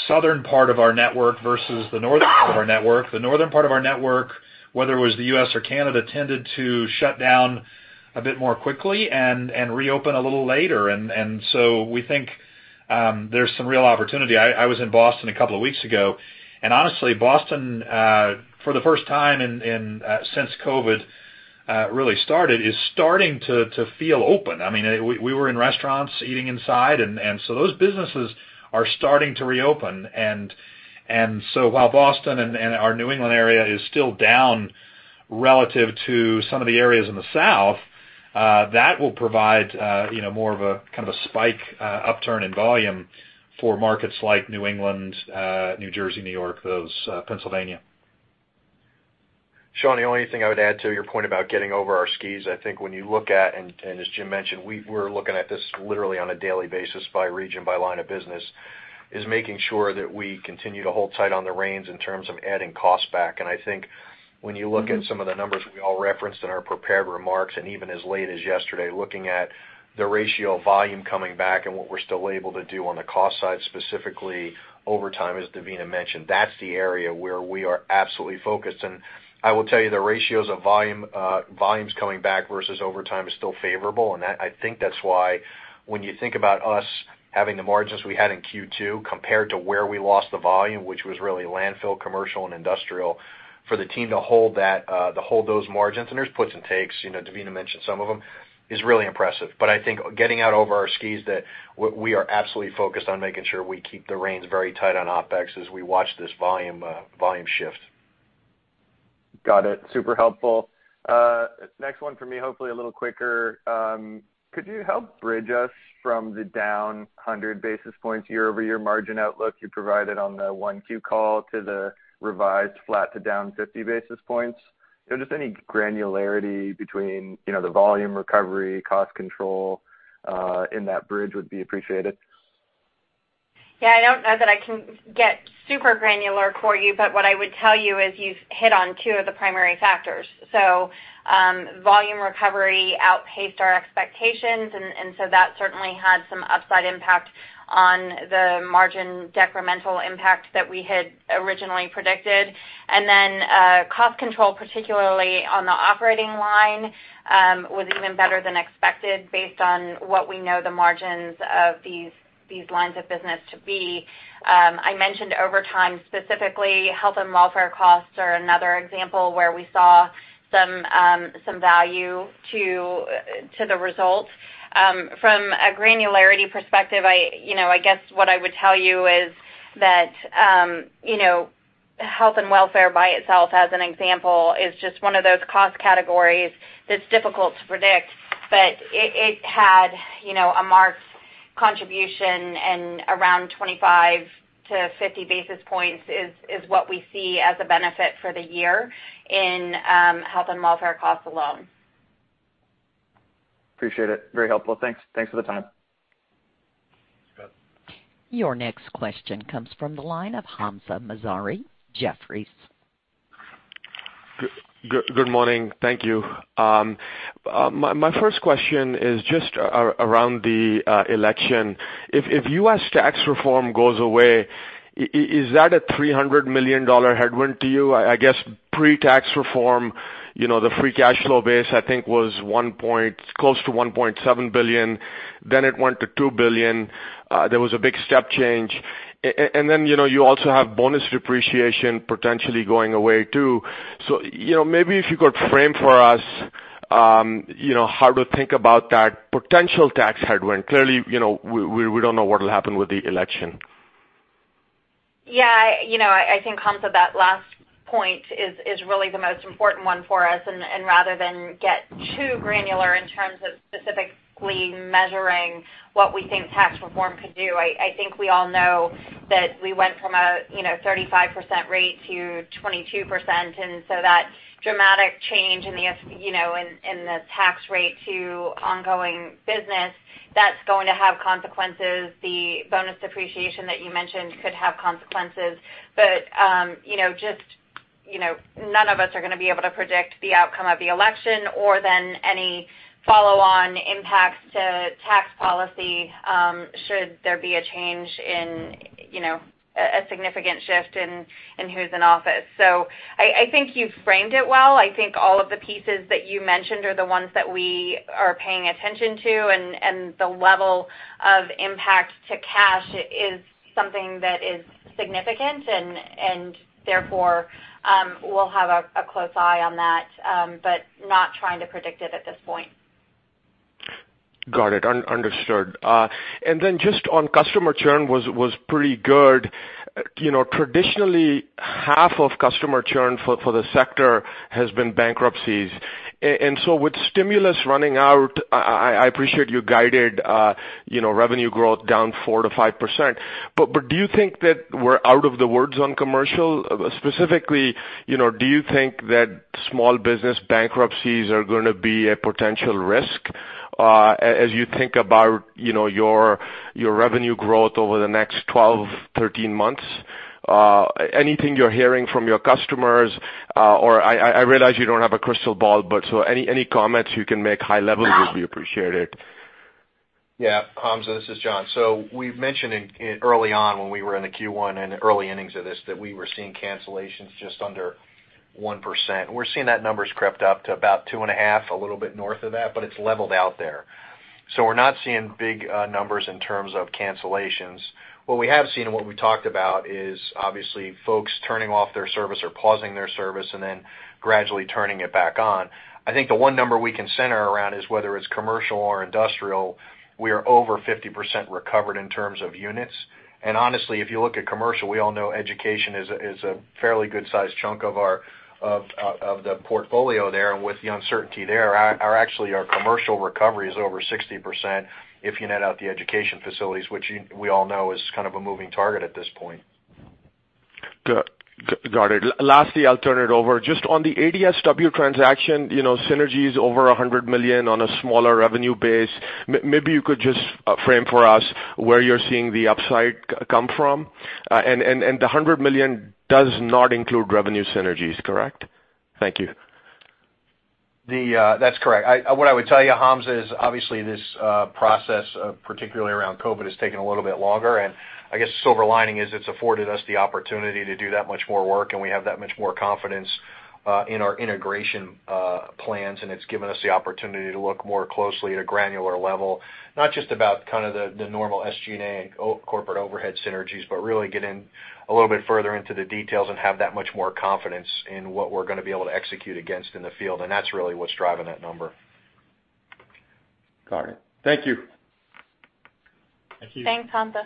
southern part of our network versus the northern part of our network. The northern part of our network, whether it was the U.S. or Canada, tended to shut down a bit more quickly and reopen a little later. We think there's some real opportunity. I was in Boston a couple of weeks ago, and honestly, Boston, for the first time since COVID-19 really started, is starting to feel open. We were in restaurants eating inside, and so those businesses are starting to reopen. While Boston and our New England area is still down relative to some of the areas in the South, that will provide more of a spike upturn in volume for markets like New England, New Jersey, New York, those, Pennsylvania. Sean, the only thing I would add to your point about getting over our skis, I think when you look at, and as Jim mentioned, we're looking at this literally on a daily basis by region, by line of business, is making sure that we continue to hold tight on the reins in terms of adding cost back. I think when you look at some of the numbers we all referenced in our prepared remarks, and even as late as yesterday, looking at the ratio of volume coming back and what we're still able to do on the cost side, specifically overtime, as Devina mentioned, that's the area where we are absolutely focused. I will tell you, the ratios of volumes coming back versus overtime is still favorable, and I think that's why when you think about us having the margins we had in Q2 compared to where we lost the volume, which was really landfill, commercial, and industrial, for the team to hold those margins, and there's puts and takes, Devina mentioned some of them, is really impressive. I think getting out over our skis, that we are absolutely focused on making sure we keep the reins very tight on OpEx as we watch this volume shift. Got it. Super helpful. Next one for me, hopefully a little quicker. Could you help bridge us from the down 100 basis points year-over-year margin outlook you provided on the 1Q call to the revised flat to down 50 basis points? Just any granularity between the volume recovery, cost control in that bridge would be appreciated. Yeah, I don't know that I can get super granular for you, but what I would tell you is you've hit on two of the primary factors. Volume recovery outpaced our expectations, and so that certainly had some upside impact on the margin decremental impact that we had originally predicted. Then cost control, particularly on the operating line, was even better than expected based on what we know the margins of these lines of business to be. I mentioned overtime specifically. Health and welfare costs are another example where we saw some value to the results. From a granularity perspective, I guess what I would tell you is that health and welfare by itself, as an example, is just one of those cost categories that's difficult to predict. It had a marked contribution and around 25-50 basis points is what we see as a benefit for the year in health and welfare costs alone. Appreciate it. Very helpful. Thanks. Thanks for the time. Yep. Your next question comes from the line of Hamzah Mazari, Jefferies. Good morning. Thank you. My first question is just around the election. If U.S. tax reform goes away, is that a $300 million headwind to you? I guess pre-tax reform, the free cash flow base, I think, was close to $1.7 billion. It went to $2 billion. There was a big step change. You also have bonus depreciation potentially going away, too. Maybe if you could frame for us how to think about that potential tax headwind. Clearly, we don't know what'll happen with the election. Yeah. I think, Hamzah, that last point is really the most important one for us, and rather than get too granular in terms of specifically measuring what we think tax reform could do, I think we all know that we went from a 35% rate to 22%, and so that dramatic change in the tax rate to ongoing business, that's going to have consequences. The bonus depreciation that you mentioned could have consequences. None of us are going to be able to predict the outcome of the election or then any follow-on impacts to tax policy should there be a change in a significant shift in who's in office. I think you framed it well. I think all of the pieces that you mentioned are the ones that we are paying attention to. The level of impact to cash is something that is significant. Therefore, we'll have a close eye on that. Not trying to predict it at this point. Got it. Understood. Just on customer churn was pretty good. Traditionally, half of customer churn for the sector has been bankruptcies. With stimulus running out, I appreciate you guided revenue growth down 4%-5%. Do you think that we're out of the woods on commercial? Specifically, do you think that small business bankruptcies are going to be a potential risk, as you think about your revenue growth over the next 12, 13 months? Anything you're hearing from your customers? I realize you don't have a crystal ball, any comments you can make high level would be appreciated. Yeah. Hamzah, this is John. We've mentioned early on when we were in the Q1 and early innings of this, that we were seeing cancellations just under 1%. We're seeing that number's crept up to about 2.5%, a little bit north of that, but it's leveled out there. We're not seeing big numbers in terms of cancellations. What we have seen and what we talked about is obviously folks turning off their service or pausing their service and then gradually turning it back on. I think the one number we can center around is whether it's commercial or industrial, we are over 50% recovered in terms of units. Honestly, if you look at commercial, we all know education is a fairly good size chunk of the portfolio there. With the uncertainty there, actually our commercial recovery is over 60% if you net out the education facilities, which we all know is kind of a moving target at this point. Got it. Lastly, I'll turn it over. Just on the ADS transaction, synergies over $100 million on a smaller revenue base. Maybe you could just frame for us where you're seeing the upside come from. The $100 million does not include revenue synergies, correct? Thank you. That's correct. What I would tell you, Hamzah, is obviously this process, particularly around COVID, has taken a little bit longer. I guess silver lining is it's afforded us the opportunity to do that much more work, and we have that much more confidence in our integration plans, and it's given us the opportunity to look more closely at a granular level. Not just about kind of the normal SG&A corporate overhead synergies, but really get in a little bit further into the details and have that much more confidence in what we're going to be able to execute against in the field. That's really what's driving that number. Got it. Thank you. Thank you. Thanks, Hamzah.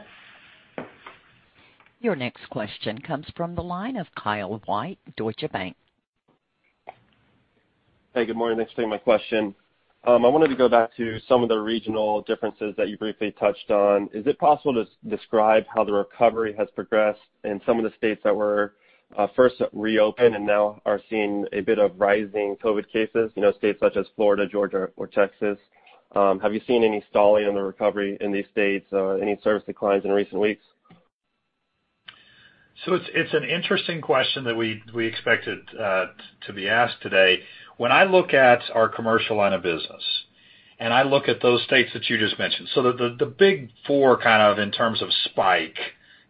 Your next question comes from the line of Kyle White, Deutsche Bank. Hey, good morning. Thanks for taking my question. I wanted to go back to some of the regional differences that you briefly touched on. Is it possible to describe how the recovery has progressed in some of the states that were first to reopen and now are seeing a bit of rising COVID-19 cases, states such as Florida, Georgia, or Texas? Have you seen any stalling in the recovery in these states? Any service declines in recent weeks? It's an interesting question that we expected to be asked today. When I look at our commercial line of business, and I look at those states that you just mentioned, the big four kind of in terms of spike,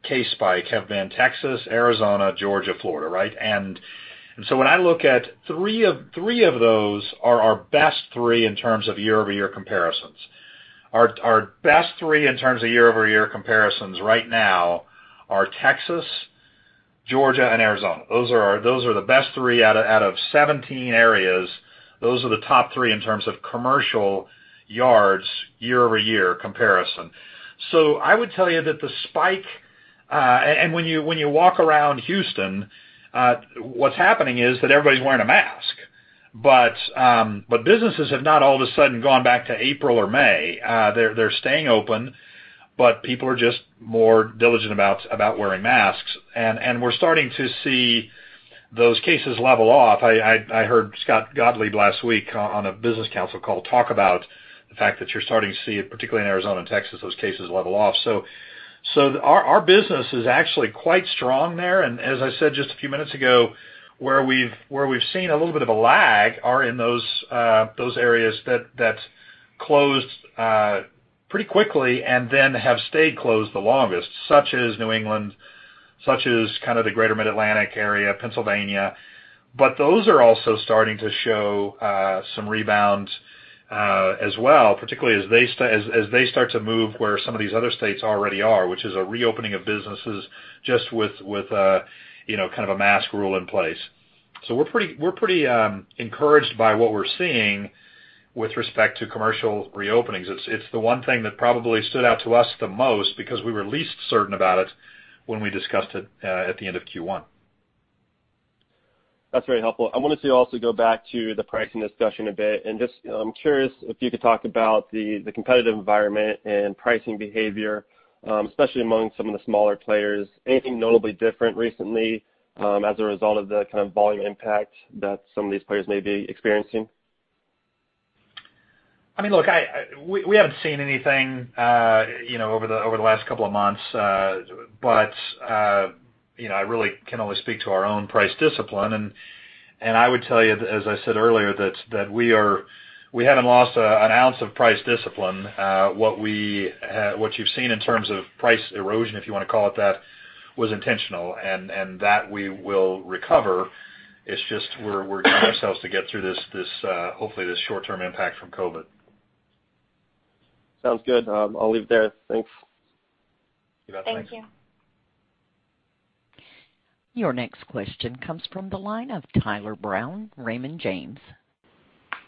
case spike, have been Texas, Arizona, Georgia, Florida, right? When I look at three of those are our best three in terms of year-over-year comparisons. Our best three in terms of year-over-year comparisons right now are Texas, Georgia, and Arizona. Those are the best three out of 17 areas. Those are the top three in terms of commercial yards year-over-year comparison. I would tell you that the spike. And when you walk around Houston, what's happening is that everybody's wearing a mask. Businesses have not all of a sudden gone back to April or May. They're staying open, but people are just more diligent about wearing masks. We're starting to see those cases level off. I heard Scott Gottlieb last week on a Business Council call talk about the fact that you're starting to see, particularly in Arizona and Texas, those cases level off. Our business is actually quite strong there. As I said just a few minutes ago, where we've seen a little bit of a lag are in those areas that closed pretty quickly and then have stayed closed the longest, such as New England, such as kind of the greater Mid-Atlantic area, Pennsylvania. Those are also starting to show some rebound as well, particularly as they start to move where some of these other states already are, which is a reopening of businesses just with a mask rule in place. We're pretty encouraged by what we're seeing with respect to commercial reopenings. It's the one thing that probably stood out to us the most because we were least certain about it when we discussed it at the end of Q1. That's very helpful. I wanted to also go back to the pricing discussion a bit, and just, I'm curious if you could talk about the competitive environment and pricing behavior, especially among some of the smaller players. Anything notably different recently as a result of the kind of volume impact that some of these players may be experiencing? We haven't seen anything over the last couple of months, but I really can only speak to our own price discipline. I would tell you, as I said earlier, that we haven't lost an ounce of price discipline. What you've seen in terms of price erosion, if you want to call it that, was intentional, and that we will recover. It's just we're allowing ourselves to get through this, hopefully, this short-term impact from COVID. Sounds good. I'll leave it there. Thanks. You bet. Thanks. Thank you. Your next question comes from the line of Tyler Brown, Raymond James.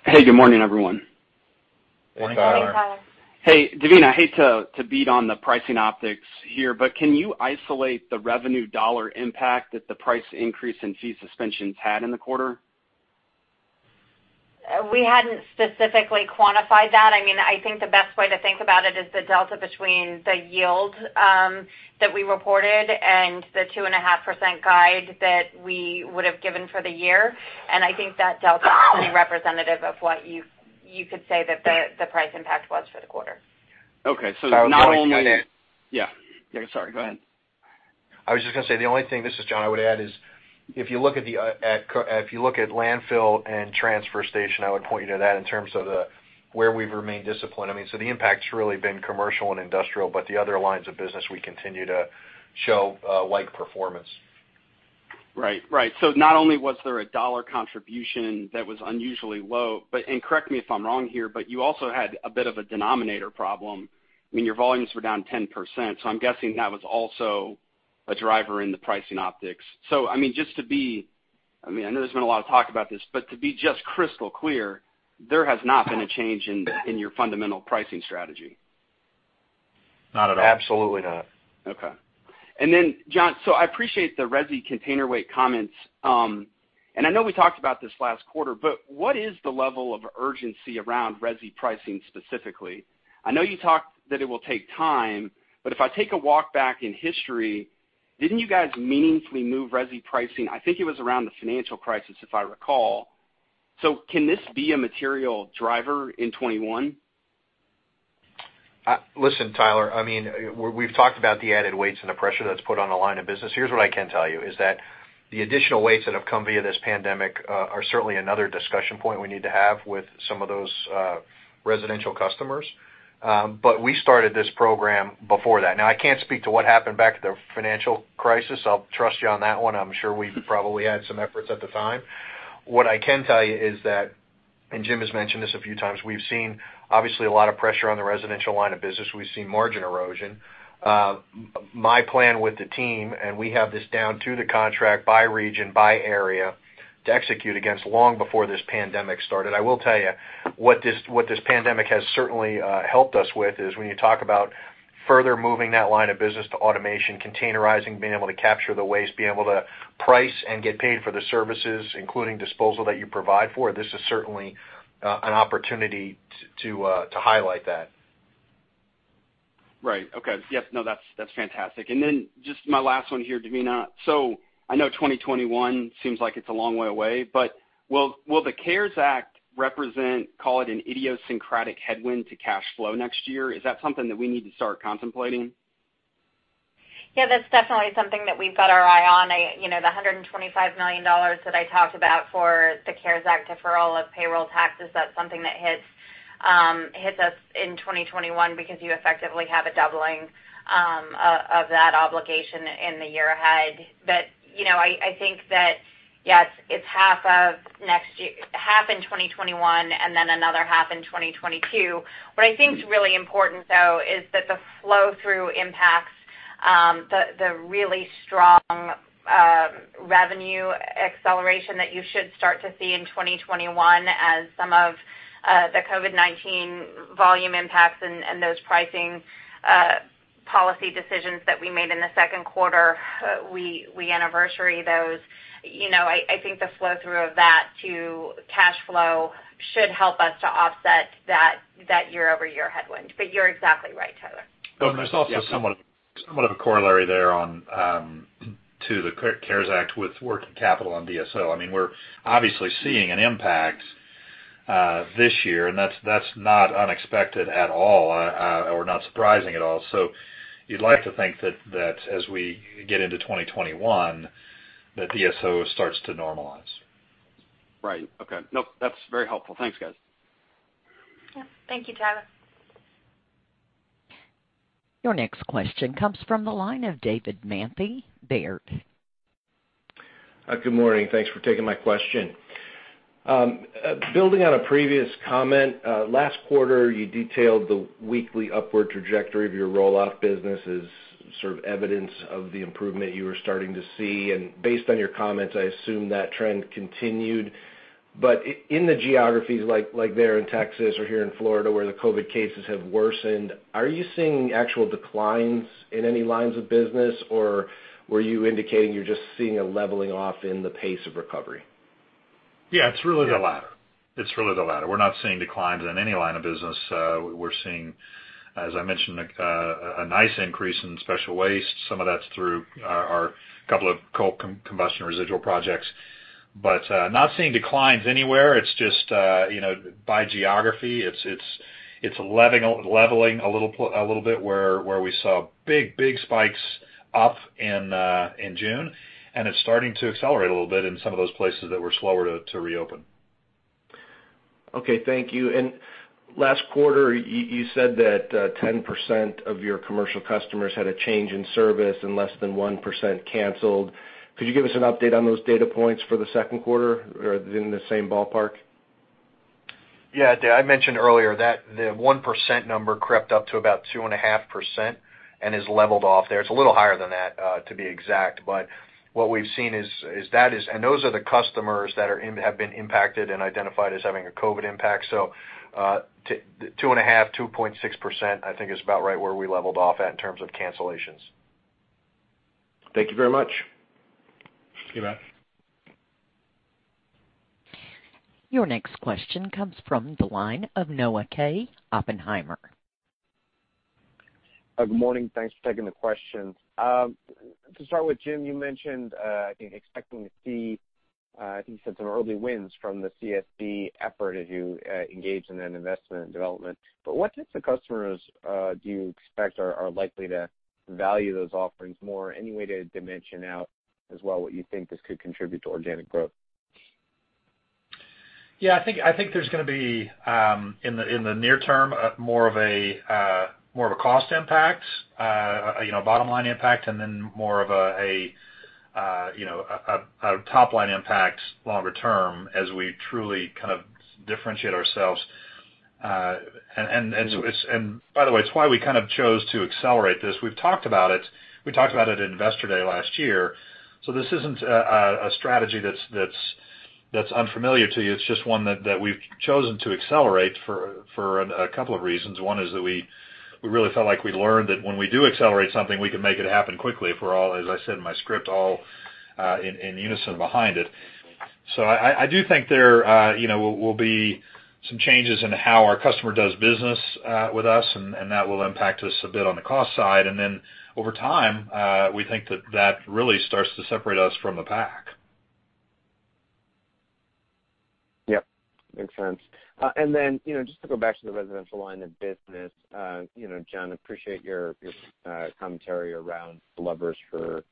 Hey, good morning, everyone. Morning, Tyler. Good morning, Tyler. Hey, Devina, I hate to beat on the pricing optics here, but can you isolate the revenue dollar impact that the price increase and fee suspensions had in the quarter? We hadn't specifically quantified that. I think the best way to think about it is the delta between the yield that we reported and the 2.5% guide that we would have given for the year. I think that delta is pretty representative of what you could say that the price impact was for the quarter. Okay. The only thing I- Yeah. Sorry, go ahead. I was just going to say the only thing, this is John, I would add is if you look at landfill and transfer station, I would point you to that in terms of where we've remained disciplined. The impact's really been commercial and industrial, but the other lines of business we continue to show like performance. Right. Not only was there a dollar contribution that was unusually low, but, and correct me if I'm wrong here, but you also had a bit of a denominator problem. Your volumes were down 10%; I'm guessing that was also a driver in the pricing optics. Just to be, I know there's been a lot of talk about this, but to be just crystal clear, there has not been a change in your fundamental pricing strategy? Not at all. Absolutely not Okay. Then, John, I appreciate the resi container weight comments. I know we talked about this last quarter, but what is the level of urgency around resi pricing specifically? I know you talked that it will take time, but if I take a walk back in history, didn't you guys meaningfully move resi pricing, I think it was around the financial crisis, if I recall. Can this be a material driver in 2021? Listen, Tyler, we've talked about the added weights and the pressure that's put on a line of business. Here's what I can tell you, is that the additional weights that have come via this pandemic are certainly another discussion point we need to have with some of those residential customers. We started this program before that. I can't speak to what happened back at the financial crisis. I'll trust you on that one. I'm sure we probably had some efforts at the time. What I can tell you is that, and Jim has mentioned this a few times, we've seen obviously a lot of pressure on the residential line of business. We've seen margin erosion. My plan with the team, and we have this down to the contract by region, by area, to execute against long before this pandemic started. I will tell you, what this pandemic has certainly helped us with is when you talk about further moving that line of business to automation, containerizing, being able to capture the waste, being able to price and get paid for the services, including disposal that you provide for, this is certainly an opportunity to highlight that. Right. Okay. Yes, no, that's fantastic. Just my last one here, Devina. I know 2021 seems like it's a long way away, but will the CARES Act represent, call it an idiosyncratic headwind to cash flow next year? Is that something that we need to start contemplating? Yeah, that's definitely something that we've got our eye on. The $125 million that I talked about for the CARES Act deferral of payroll taxes, that's something that hits us in 2021 because you effectively have a doubling of that obligation in the year ahead. Yes, it's half in 2021, and then another half in 2022. What I think is really important, though, is that the flow-through impacts, the really strong revenue acceleration that you should start to see in 2021 as some of the COVID-19 volume impacts and those pricing policy decisions that we made in the second quarter, we anniversary those. I think the flow-through of that to cash flow should help us to offset that year-over-year headwind. You're exactly right, Tyler. There's also somewhat of a corollary there to the CARES Act with working capital on DSO. We're obviously seeing an impact this year. That's not unexpected at all. Not surprising at all. You'd like to think that as we get into 2021, that DSO starts to normalize. Right. Okay. Nope, that's very helpful. Thanks, guys. Yeah. Thank you, Tyler. Your next question comes from the line of David Manthey, Baird. Good morning. Thanks for taking my question. Building on a previous comment, last quarter, you detailed the weekly upward trajectory of your roll-off business as sort of evidence of the improvement you were starting to see. Based on your comments, I assume that trend continued. In the geographies like there in Texas or here in Florida, where the COVID cases have worsened, are you seeing actual declines in any lines of business, or were you indicating you're just seeing a leveling off in the pace of recovery? Yeah, it's really the latter. We're not seeing declines in any line of business. We're seeing, as I mentioned, a nice increase in special waste. Some of that's through our couple of coal combustion residual projects. Not seeing declines anywhere, it's just by geography. It's leveling a little bit where we saw big spikes up in June, and it's starting to accelerate a little bit in some of those places that were slower to reopen. Okay, thank you. Last quarter, you said that 10% of your commercial customers had a change in service and less than 1% canceled. Could you give us an update on those data points for the second quarter? In the same ballpark? Yeah, Dave, I mentioned earlier that the 1% number crept up to about 2.5% and has leveled off there. It's a little higher than that, to be exact. What we've seen is that, and those are the customers that have been impacted and identified as having a COVID impact. 2.5%, 2.6% I think is about right where we leveled off at in terms of cancellations. Thank you very much. You bet. Your next question comes from the line of Noah Kaye, Oppenheimer. Good morning. Thanks for taking the question. To start with, Jim, you mentioned, I think, expecting to see, I think you said some early wins from the CSD effort as you engage in that investment and development. What mix of customers do you expect are likely to value those offerings more? Any way to dimension out as well what you think this could contribute to organic growth? Yeah, I think there's going to be, in the near term, more of a cost impact, a bottom-line impact, and then more of a top-line impact longer term as we truly differentiate ourselves. By the way, it's why we kind of chose to accelerate this. We've talked about it. We talked about it at Investor Day last year. This isn't a strategy that's unfamiliar to you. It's just one that we've chosen to accelerate for a couple of reasons. One is that we really felt like we learned that when we do accelerate something, we can make it happen quickly if we're all, as I said in my script, all in unison behind it. I do think there will be some changes in how our customer does business with us, and that will impact us a bit on the cost side. Over time, we think that that really starts to separate us from the pack. Yep, makes sense. Just to go back to the residential line of business. John, appreciate your commentary around levers for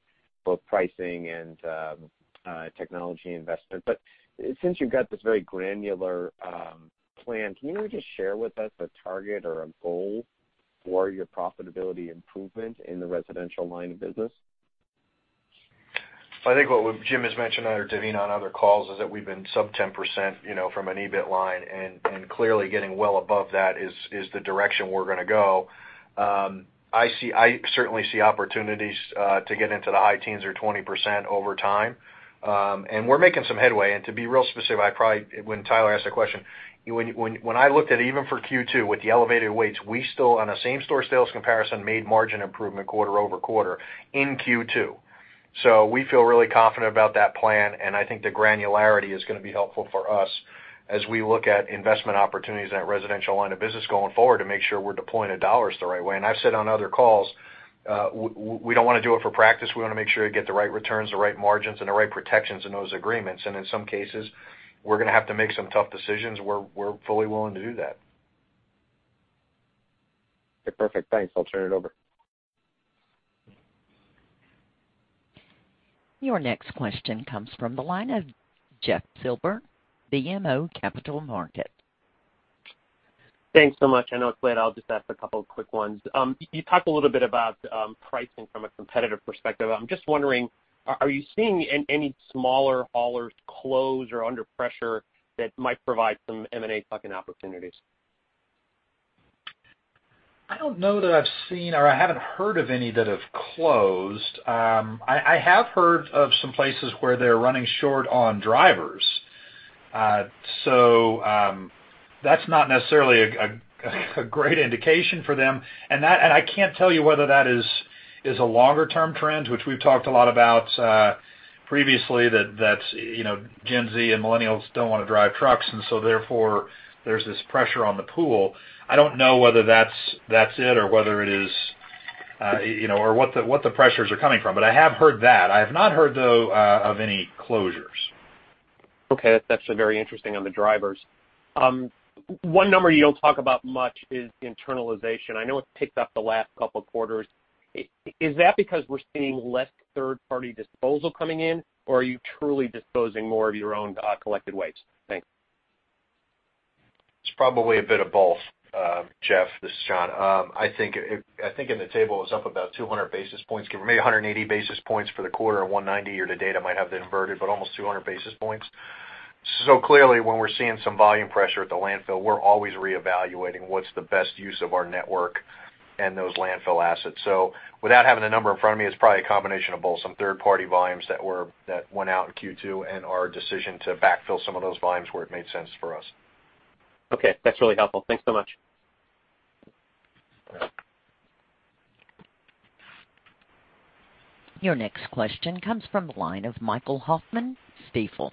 both pricing and technology investment. Since you've got this very granular plan, can you just share with us a target or a goal for your profitability improvement in the residential line of business? I think what Jim has mentioned or Devina on other calls is that we've been sub 10% from an EBIT line, and clearly getting well above that is the direction we're going to go. I certainly see opportunities to get into the high teens or 20% over time. We're making some headway. To be real specific, when Tyler asked the question, when I looked at even for Q2 with the elevated weights, we still on a same-store sales comparison made margin improvement quarter over quarter in Q2. We feel really confident about that plan, and I think the granularity is going to be helpful for us as we look at investment opportunities in that residential line of business going forward to make sure we're deploying the dollars the right way. I've said on other calls, we don't want to do it for practice. We want to make sure we get the right returns, the right margins and the right protections in those agreements. In some cases, we're going to have to make some tough decisions. We're fully willing to do that. Okay, perfect. Thanks. I'll turn it over. Your next question comes from the line of Jeff Silber, BMO Capital Markets. Thanks so much. I know it's late. I'll just ask a couple of quick ones. You talked a little bit about pricing from a competitive perspective. I'm just wondering, are you seeing any smaller haulers close or under pressure that might provide some M&A bucket opportunities? I don't know that I've seen, or I haven't heard of any that have closed. I have heard of some places where they're running short on drivers. That's not necessarily a great indication for them, and I can't tell you whether that is a longer-term trend, which we've talked a lot about previously, that Gen Z and millennials don't want to drive trucks, and so therefore, there's this pressure on the pool. I don't know whether that's it or what the pressures are coming from. I have heard that. I have not heard, though, of any closures. Okay. That's very interesting on the drivers. One number you don't talk about much is internalization. I know it's ticked up the last couple of quarters. Is that because we're seeing less third-party disposal coming in, or are you truly disposing more of your own collected waste? Thanks. It's probably a bit of both, Jeff. This is John. I think in the table, it's up about 200 basis points. Give or maybe 180 basis points for the quarter, or 190 year-to-date. I might have that inverted, but almost 200 basis points. Clearly, when we're seeing some volume pressure at the landfill, we're always re-evaluating what's the best use of our network and those landfill assets. Without having the number in front of me, it's probably a combination of both. Some third-party volumes that went out in Q2 and our decision to backfill some of those volumes where it made sense for us. Okay. That's really helpful. Thanks so much. Your next question comes from the line of Michael Hoffman, Stifel.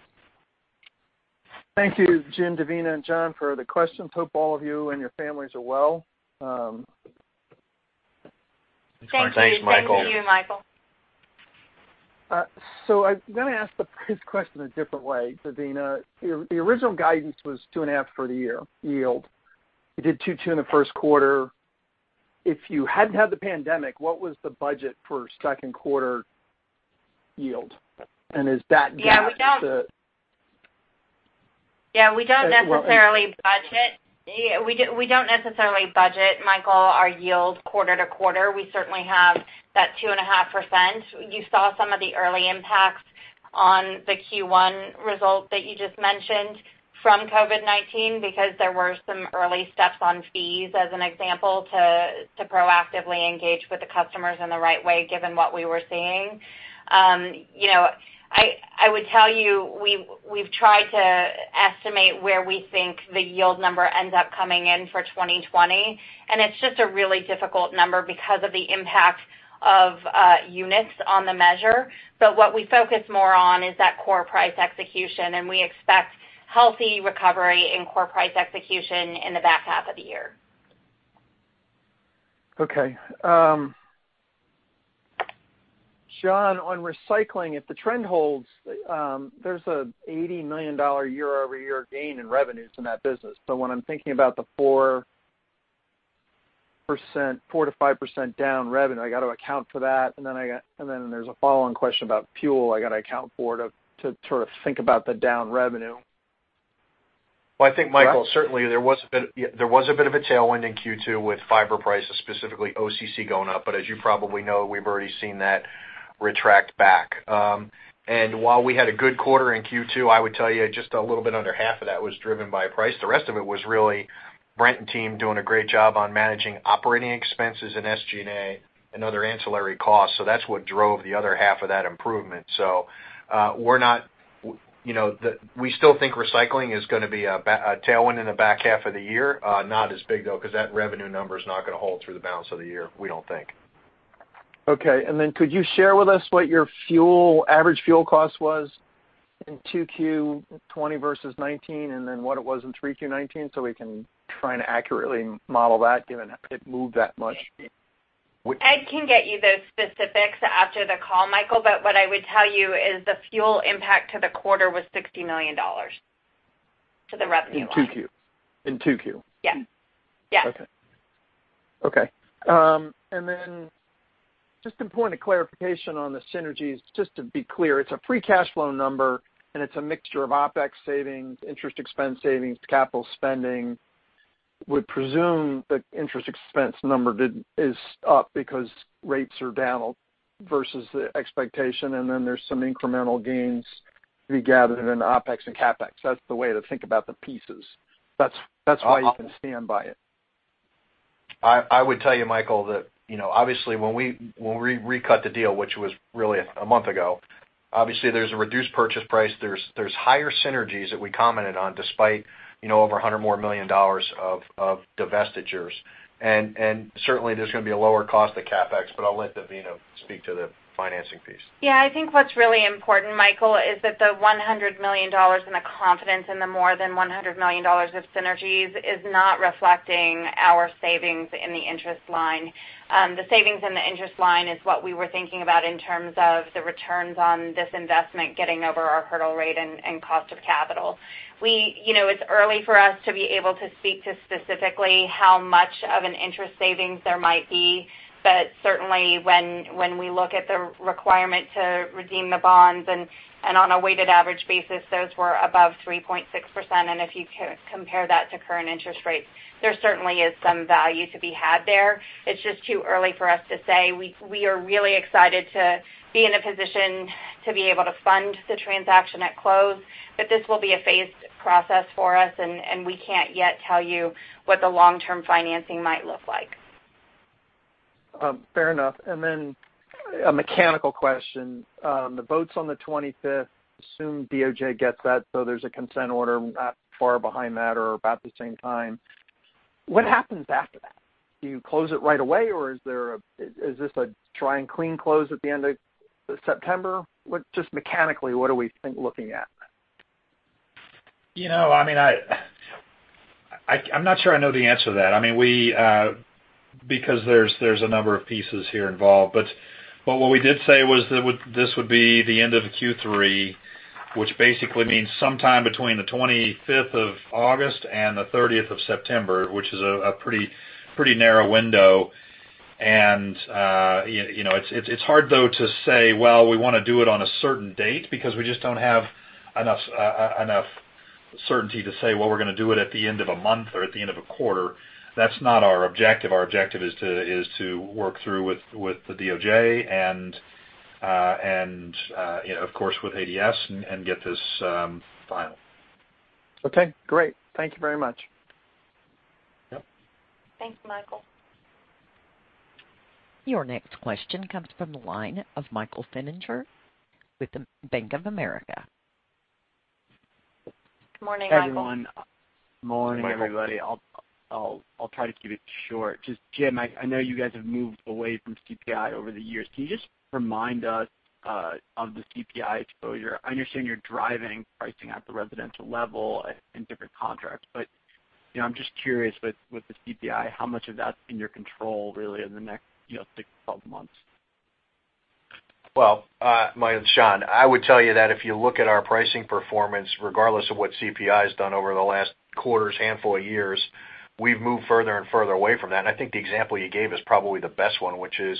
Thank you, Jim, Devina, and John, for the questions. Hope all of you and your families are well. Thanks, Michael. Thanks, Michael. I'm going to ask this question a different way, Devina. The original guidance was 2.5% for the year, yield. You did 2.2% in the first quarter. If you hadn't had the pandemic, what was the budget for second quarter yield? Is that matched to- Yeah, we don't necessarily budget, Michael, our yield quarter to quarter. We certainly have that 2.5%. You saw some of the early impacts on the Q1 result that you just mentioned from COVID-19 because there were some early steps on fees, as an example, to proactively engage with the customers in the right way, given what we were seeing. I would tell you, we've tried to estimate where we think the yield number ends up coming in for 2020, and it's just a really difficult number because of the impact of units on the measure. What we focus more on is that core price execution, and we expect healthy recovery in core price execution in the back half of the year. Okay. John, on recycling, if the trend holds, there's an $80 million year-over-year gain in revenues in that business. When I'm thinking about the 4%-5% down revenue, I got to account for that, and then there's a follow-on question about fuel I got to account for to think about the down revenue. I think, Michael, certainly, there was a bit of a tailwind in Q2 with fiber prices, specifically OCC going up. As you probably know, we've already seen that retract back. While we had a good quarter in Q2, I would tell you just a little bit under half of that was driven by price. The rest of it was really Brent and team doing a great job on managing operating expenses and SG&A and other ancillary costs. That's what drove the other half of that improvement. We still think recycling is going to be a tailwind in the back half of the year. Not as big, though, because that revenue number is not going to hold through the balance of the year, we don't think. Okay. Could you share with us what your average fuel cost was in 2Q 2020 versus 2019, and then what it was in 3Q 2019 so we can try and accurately model that, given it moved that much? Ed can get you those specifics after the call, Michael. What I would tell you is the fuel impact to the quarter was $60 million to the revenue line. In 2Q? Yes. Okay. Just a point of clarification on the synergies, just to be clear, it's a free cash flow number, and it's a mixture of OpEx savings, interest expense savings, capital spending. Would presume the interest expense number is up because rates are down versus the expectation, and then there's some incremental gains to be gathered in OpEx and CapEx. That's the way to think about the pieces. That's how you can stand by it. I would tell you, Michael, that obviously when we recut the deal, which was really a month ago, obviously there's a reduced purchase price. There's higher synergies that we commented on despite over $100 million more of divestitures. Certainly, there's going to be a lower cost of CapEx, but I'll let Devina speak to the financing piece. Yeah. I think what's really important, Michael, is that the $100 million and the confidence in the more than $100 million of synergies is not reflecting our savings in the interest line. The savings in the interest line is what we were thinking about in terms of the returns on this investment getting over our hurdle rate and cost of capital. It's early for us to be able to speak to specifically how much of an interest savings there might be, but certainly when we look at the requirement to redeem the bonds, and on a weighted average basis, those were above 3.6%, and if you compare that to current interest rates, there certainly is some value to be had there. It's just too early for us to say. We are really excited to be in a position to be able to fund the transaction at close, but this will be a phased process for us, and we can't yet tell you what the long-term financing might look like. Fair enough. A mechanical question. The vote's on the 25th. Assume DOJ gets that, there's a consent order not far behind that or about the same time. What happens after that? Do you close it right away or is this a try and clean close at the end of September? Just mechanically, what are we looking at? I'm not sure I know the answer to that. There's a number of pieces here involved. What we did say was that this would be the end of Q3, which basically means sometime between the August 25th and the September 30th, which is a pretty narrow window. It's hard though to say, well, we want to do it on a certain date because we just don't have enough certainty to say, well, we're going to do it at the end of a month or at the end of a quarter. That's not our objective. Our objective is to work through with the DOJ and, of course with ADS and get this final. Okay, great. Thank you very much. Yep. Thanks, Michael. Your next question comes from the line of Michael Feniger with the Bank of America. Good morning, Michael. Hey, everyone. Morning. Morning, everybody. I'll try to keep it short. Just Jim, I know you guys have moved away from CPI over the years. Can you just remind us of the CPI exposure? I understand you're driving pricing at the residential level in different contracts, but I'm just curious with the CPI, how much of that's in your control really in the next 6-12 months? Well, Mike, it's John, I would tell you that if you look at our pricing performance, regardless of what CPI has done over the last quarters, handful of years, we've moved further and further away from that. I think the example you gave is probably the best one, which is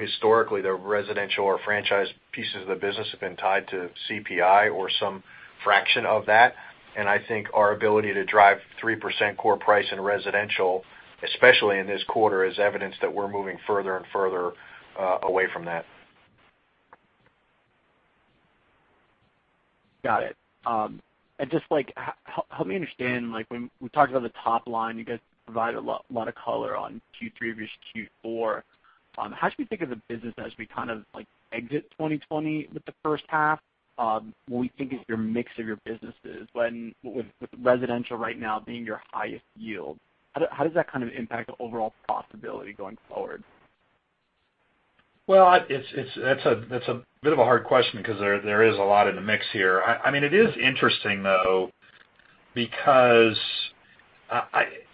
historically the residential or franchise pieces of the business have been tied to CPI or some fraction of that. I think our ability to drive 3% core price in residential, especially in this quarter, is evidence that we're moving further and further away from that. Got it. Just help me understand, when we talked about the top line, you guys provided a lot of color on Q3 versus Q4. How should we think of the business as we exit 2020 with the first half? When we think of your mix of your businesses, with residential right now being your highest yield, how does that impact the overall profitability going forward? Well, that's a bit of a hard question because there is a lot in the mix here. It is interesting, though, because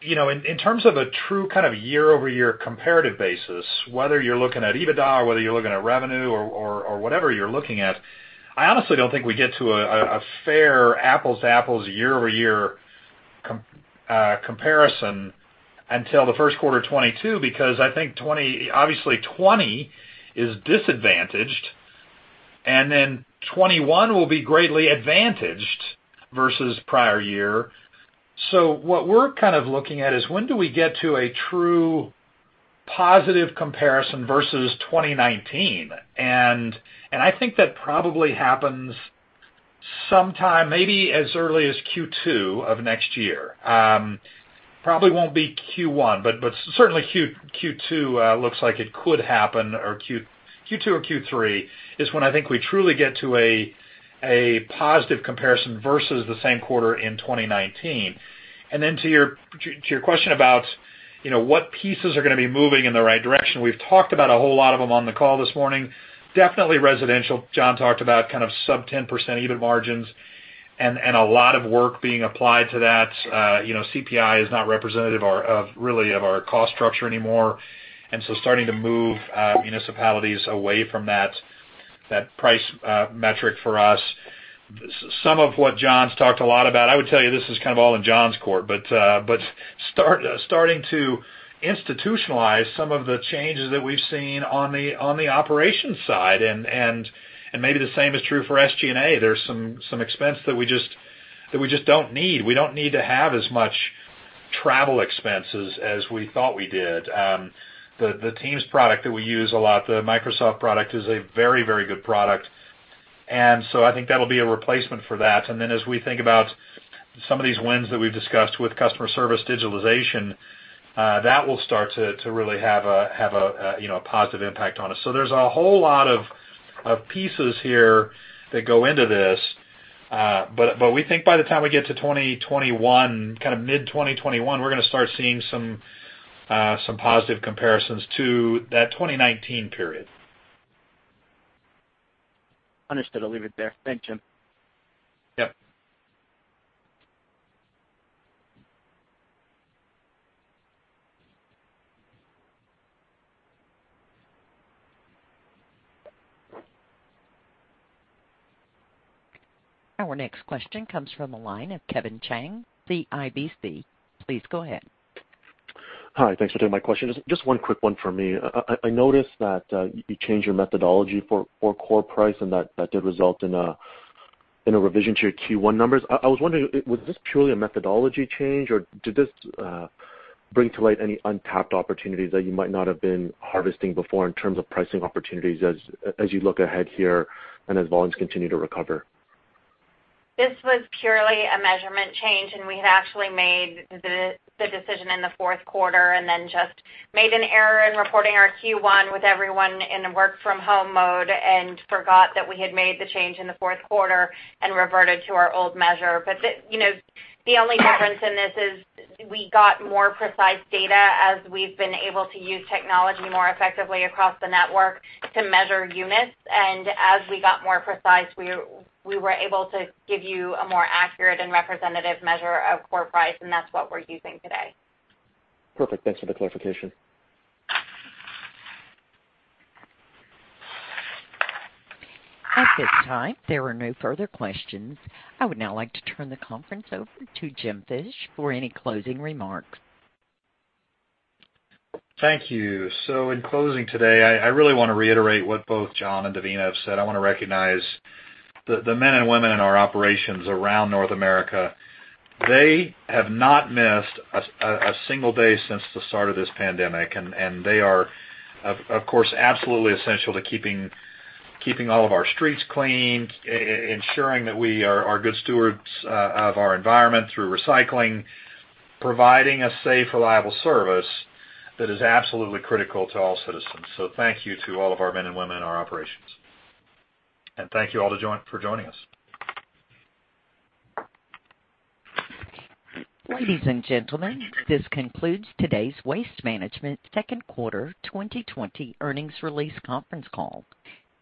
in terms of a true year-over-year comparative basis, whether you're looking at EBITDA or whether you're looking at revenue or whatever you're looking at, I honestly don't think we get to a fair apples-to-apples year-over-year comparison until the first quarter 2022, because I think, obviously, 2020 is disadvantaged, and then 2021 will be greatly advantaged versus prior year. What we're looking at is when do we get to a true positive comparison versus 2019? I think that probably happens sometime maybe as early as Q2 of next year. Probably won't be Q1, but certainly Q2 looks like it could happen, or Q2 or Q3 is when I think we truly get to a positive comparison versus the same quarter in 2019. To your question about what pieces are going to be moving in the right direction, we've talked about a whole lot of them on the call this morning. Definitely residential. John talked about sub 10% EBIT margins and a lot of work being applied to that. CPI is not representative, really of our cost structure anymore, starting to move municipalities away from that price metric for us. Some of what John's talked a lot about, I would tell you, this is all in John's court, starting to institutionalize some of the changes that we've seen on the operations side, and maybe the same is true for SG&A. There's some expense that we just don't need. We don't need to have as much travel expenses as we thought we did. The Teams product that we use a lot, the Microsoft product, is a very good product, and so I think that'll be a replacement for that. As we think about some of these wins that we've discussed with Customer Service Digitalization, that will start to really have a positive impact on us. There's a whole lot of pieces here that go into this. We think by the time we get to 2021, mid-2021, we're going to start seeing some positive comparisons to that 2019 period. Understood. I'll leave it there. Thanks, Jim. Yep. Our next question comes from the line of Kevin Chiang, CIBC. Please go ahead. Hi. Thanks for taking my question. Just one quick one for me. I noticed that you changed your methodology for core price, and that did result in a revision to your Q1 numbers. I was wondering, was this purely a methodology change, or did this bring to light any untapped opportunities that you might not have been harvesting before in terms of pricing opportunities as you look ahead here and as volumes continue to recover? This was purely a measurement change, and we had actually made the decision in the fourth quarter and then just made an error in reporting our Q1 with everyone in a work from home mode and forgot that we had made the change in the fourth quarter and reverted to our old measure. The only difference in this is we got more precise data as we've been able to use technology more effectively across the network to measure units. As we got more precise, we were able to give you a more accurate and representative measure of core price, and that's what we're using today. Perfect. Thanks for the clarification. At this time, there are no further questions. I would now like to turn the conference over to Jim Fish for any closing remarks. Thank you. In closing today, I really want to reiterate what both John and Devina have said. I want to recognize the men and women in our operations around North America. They have not missed a single day since the start of this pandemic, and they are, of course, absolutely essential to keeping all of our streets clean, ensuring that we are good stewards of our environment through recycling, providing a safe, reliable service that is absolutely critical to all citizens. Thank you to all of our men and women in our operations. Thank you all for joining us. Ladies and gentlemen, this concludes today's Waste Management second quarter 2020 earnings release conference call.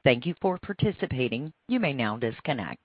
Thank you for participating. You may now disconnect.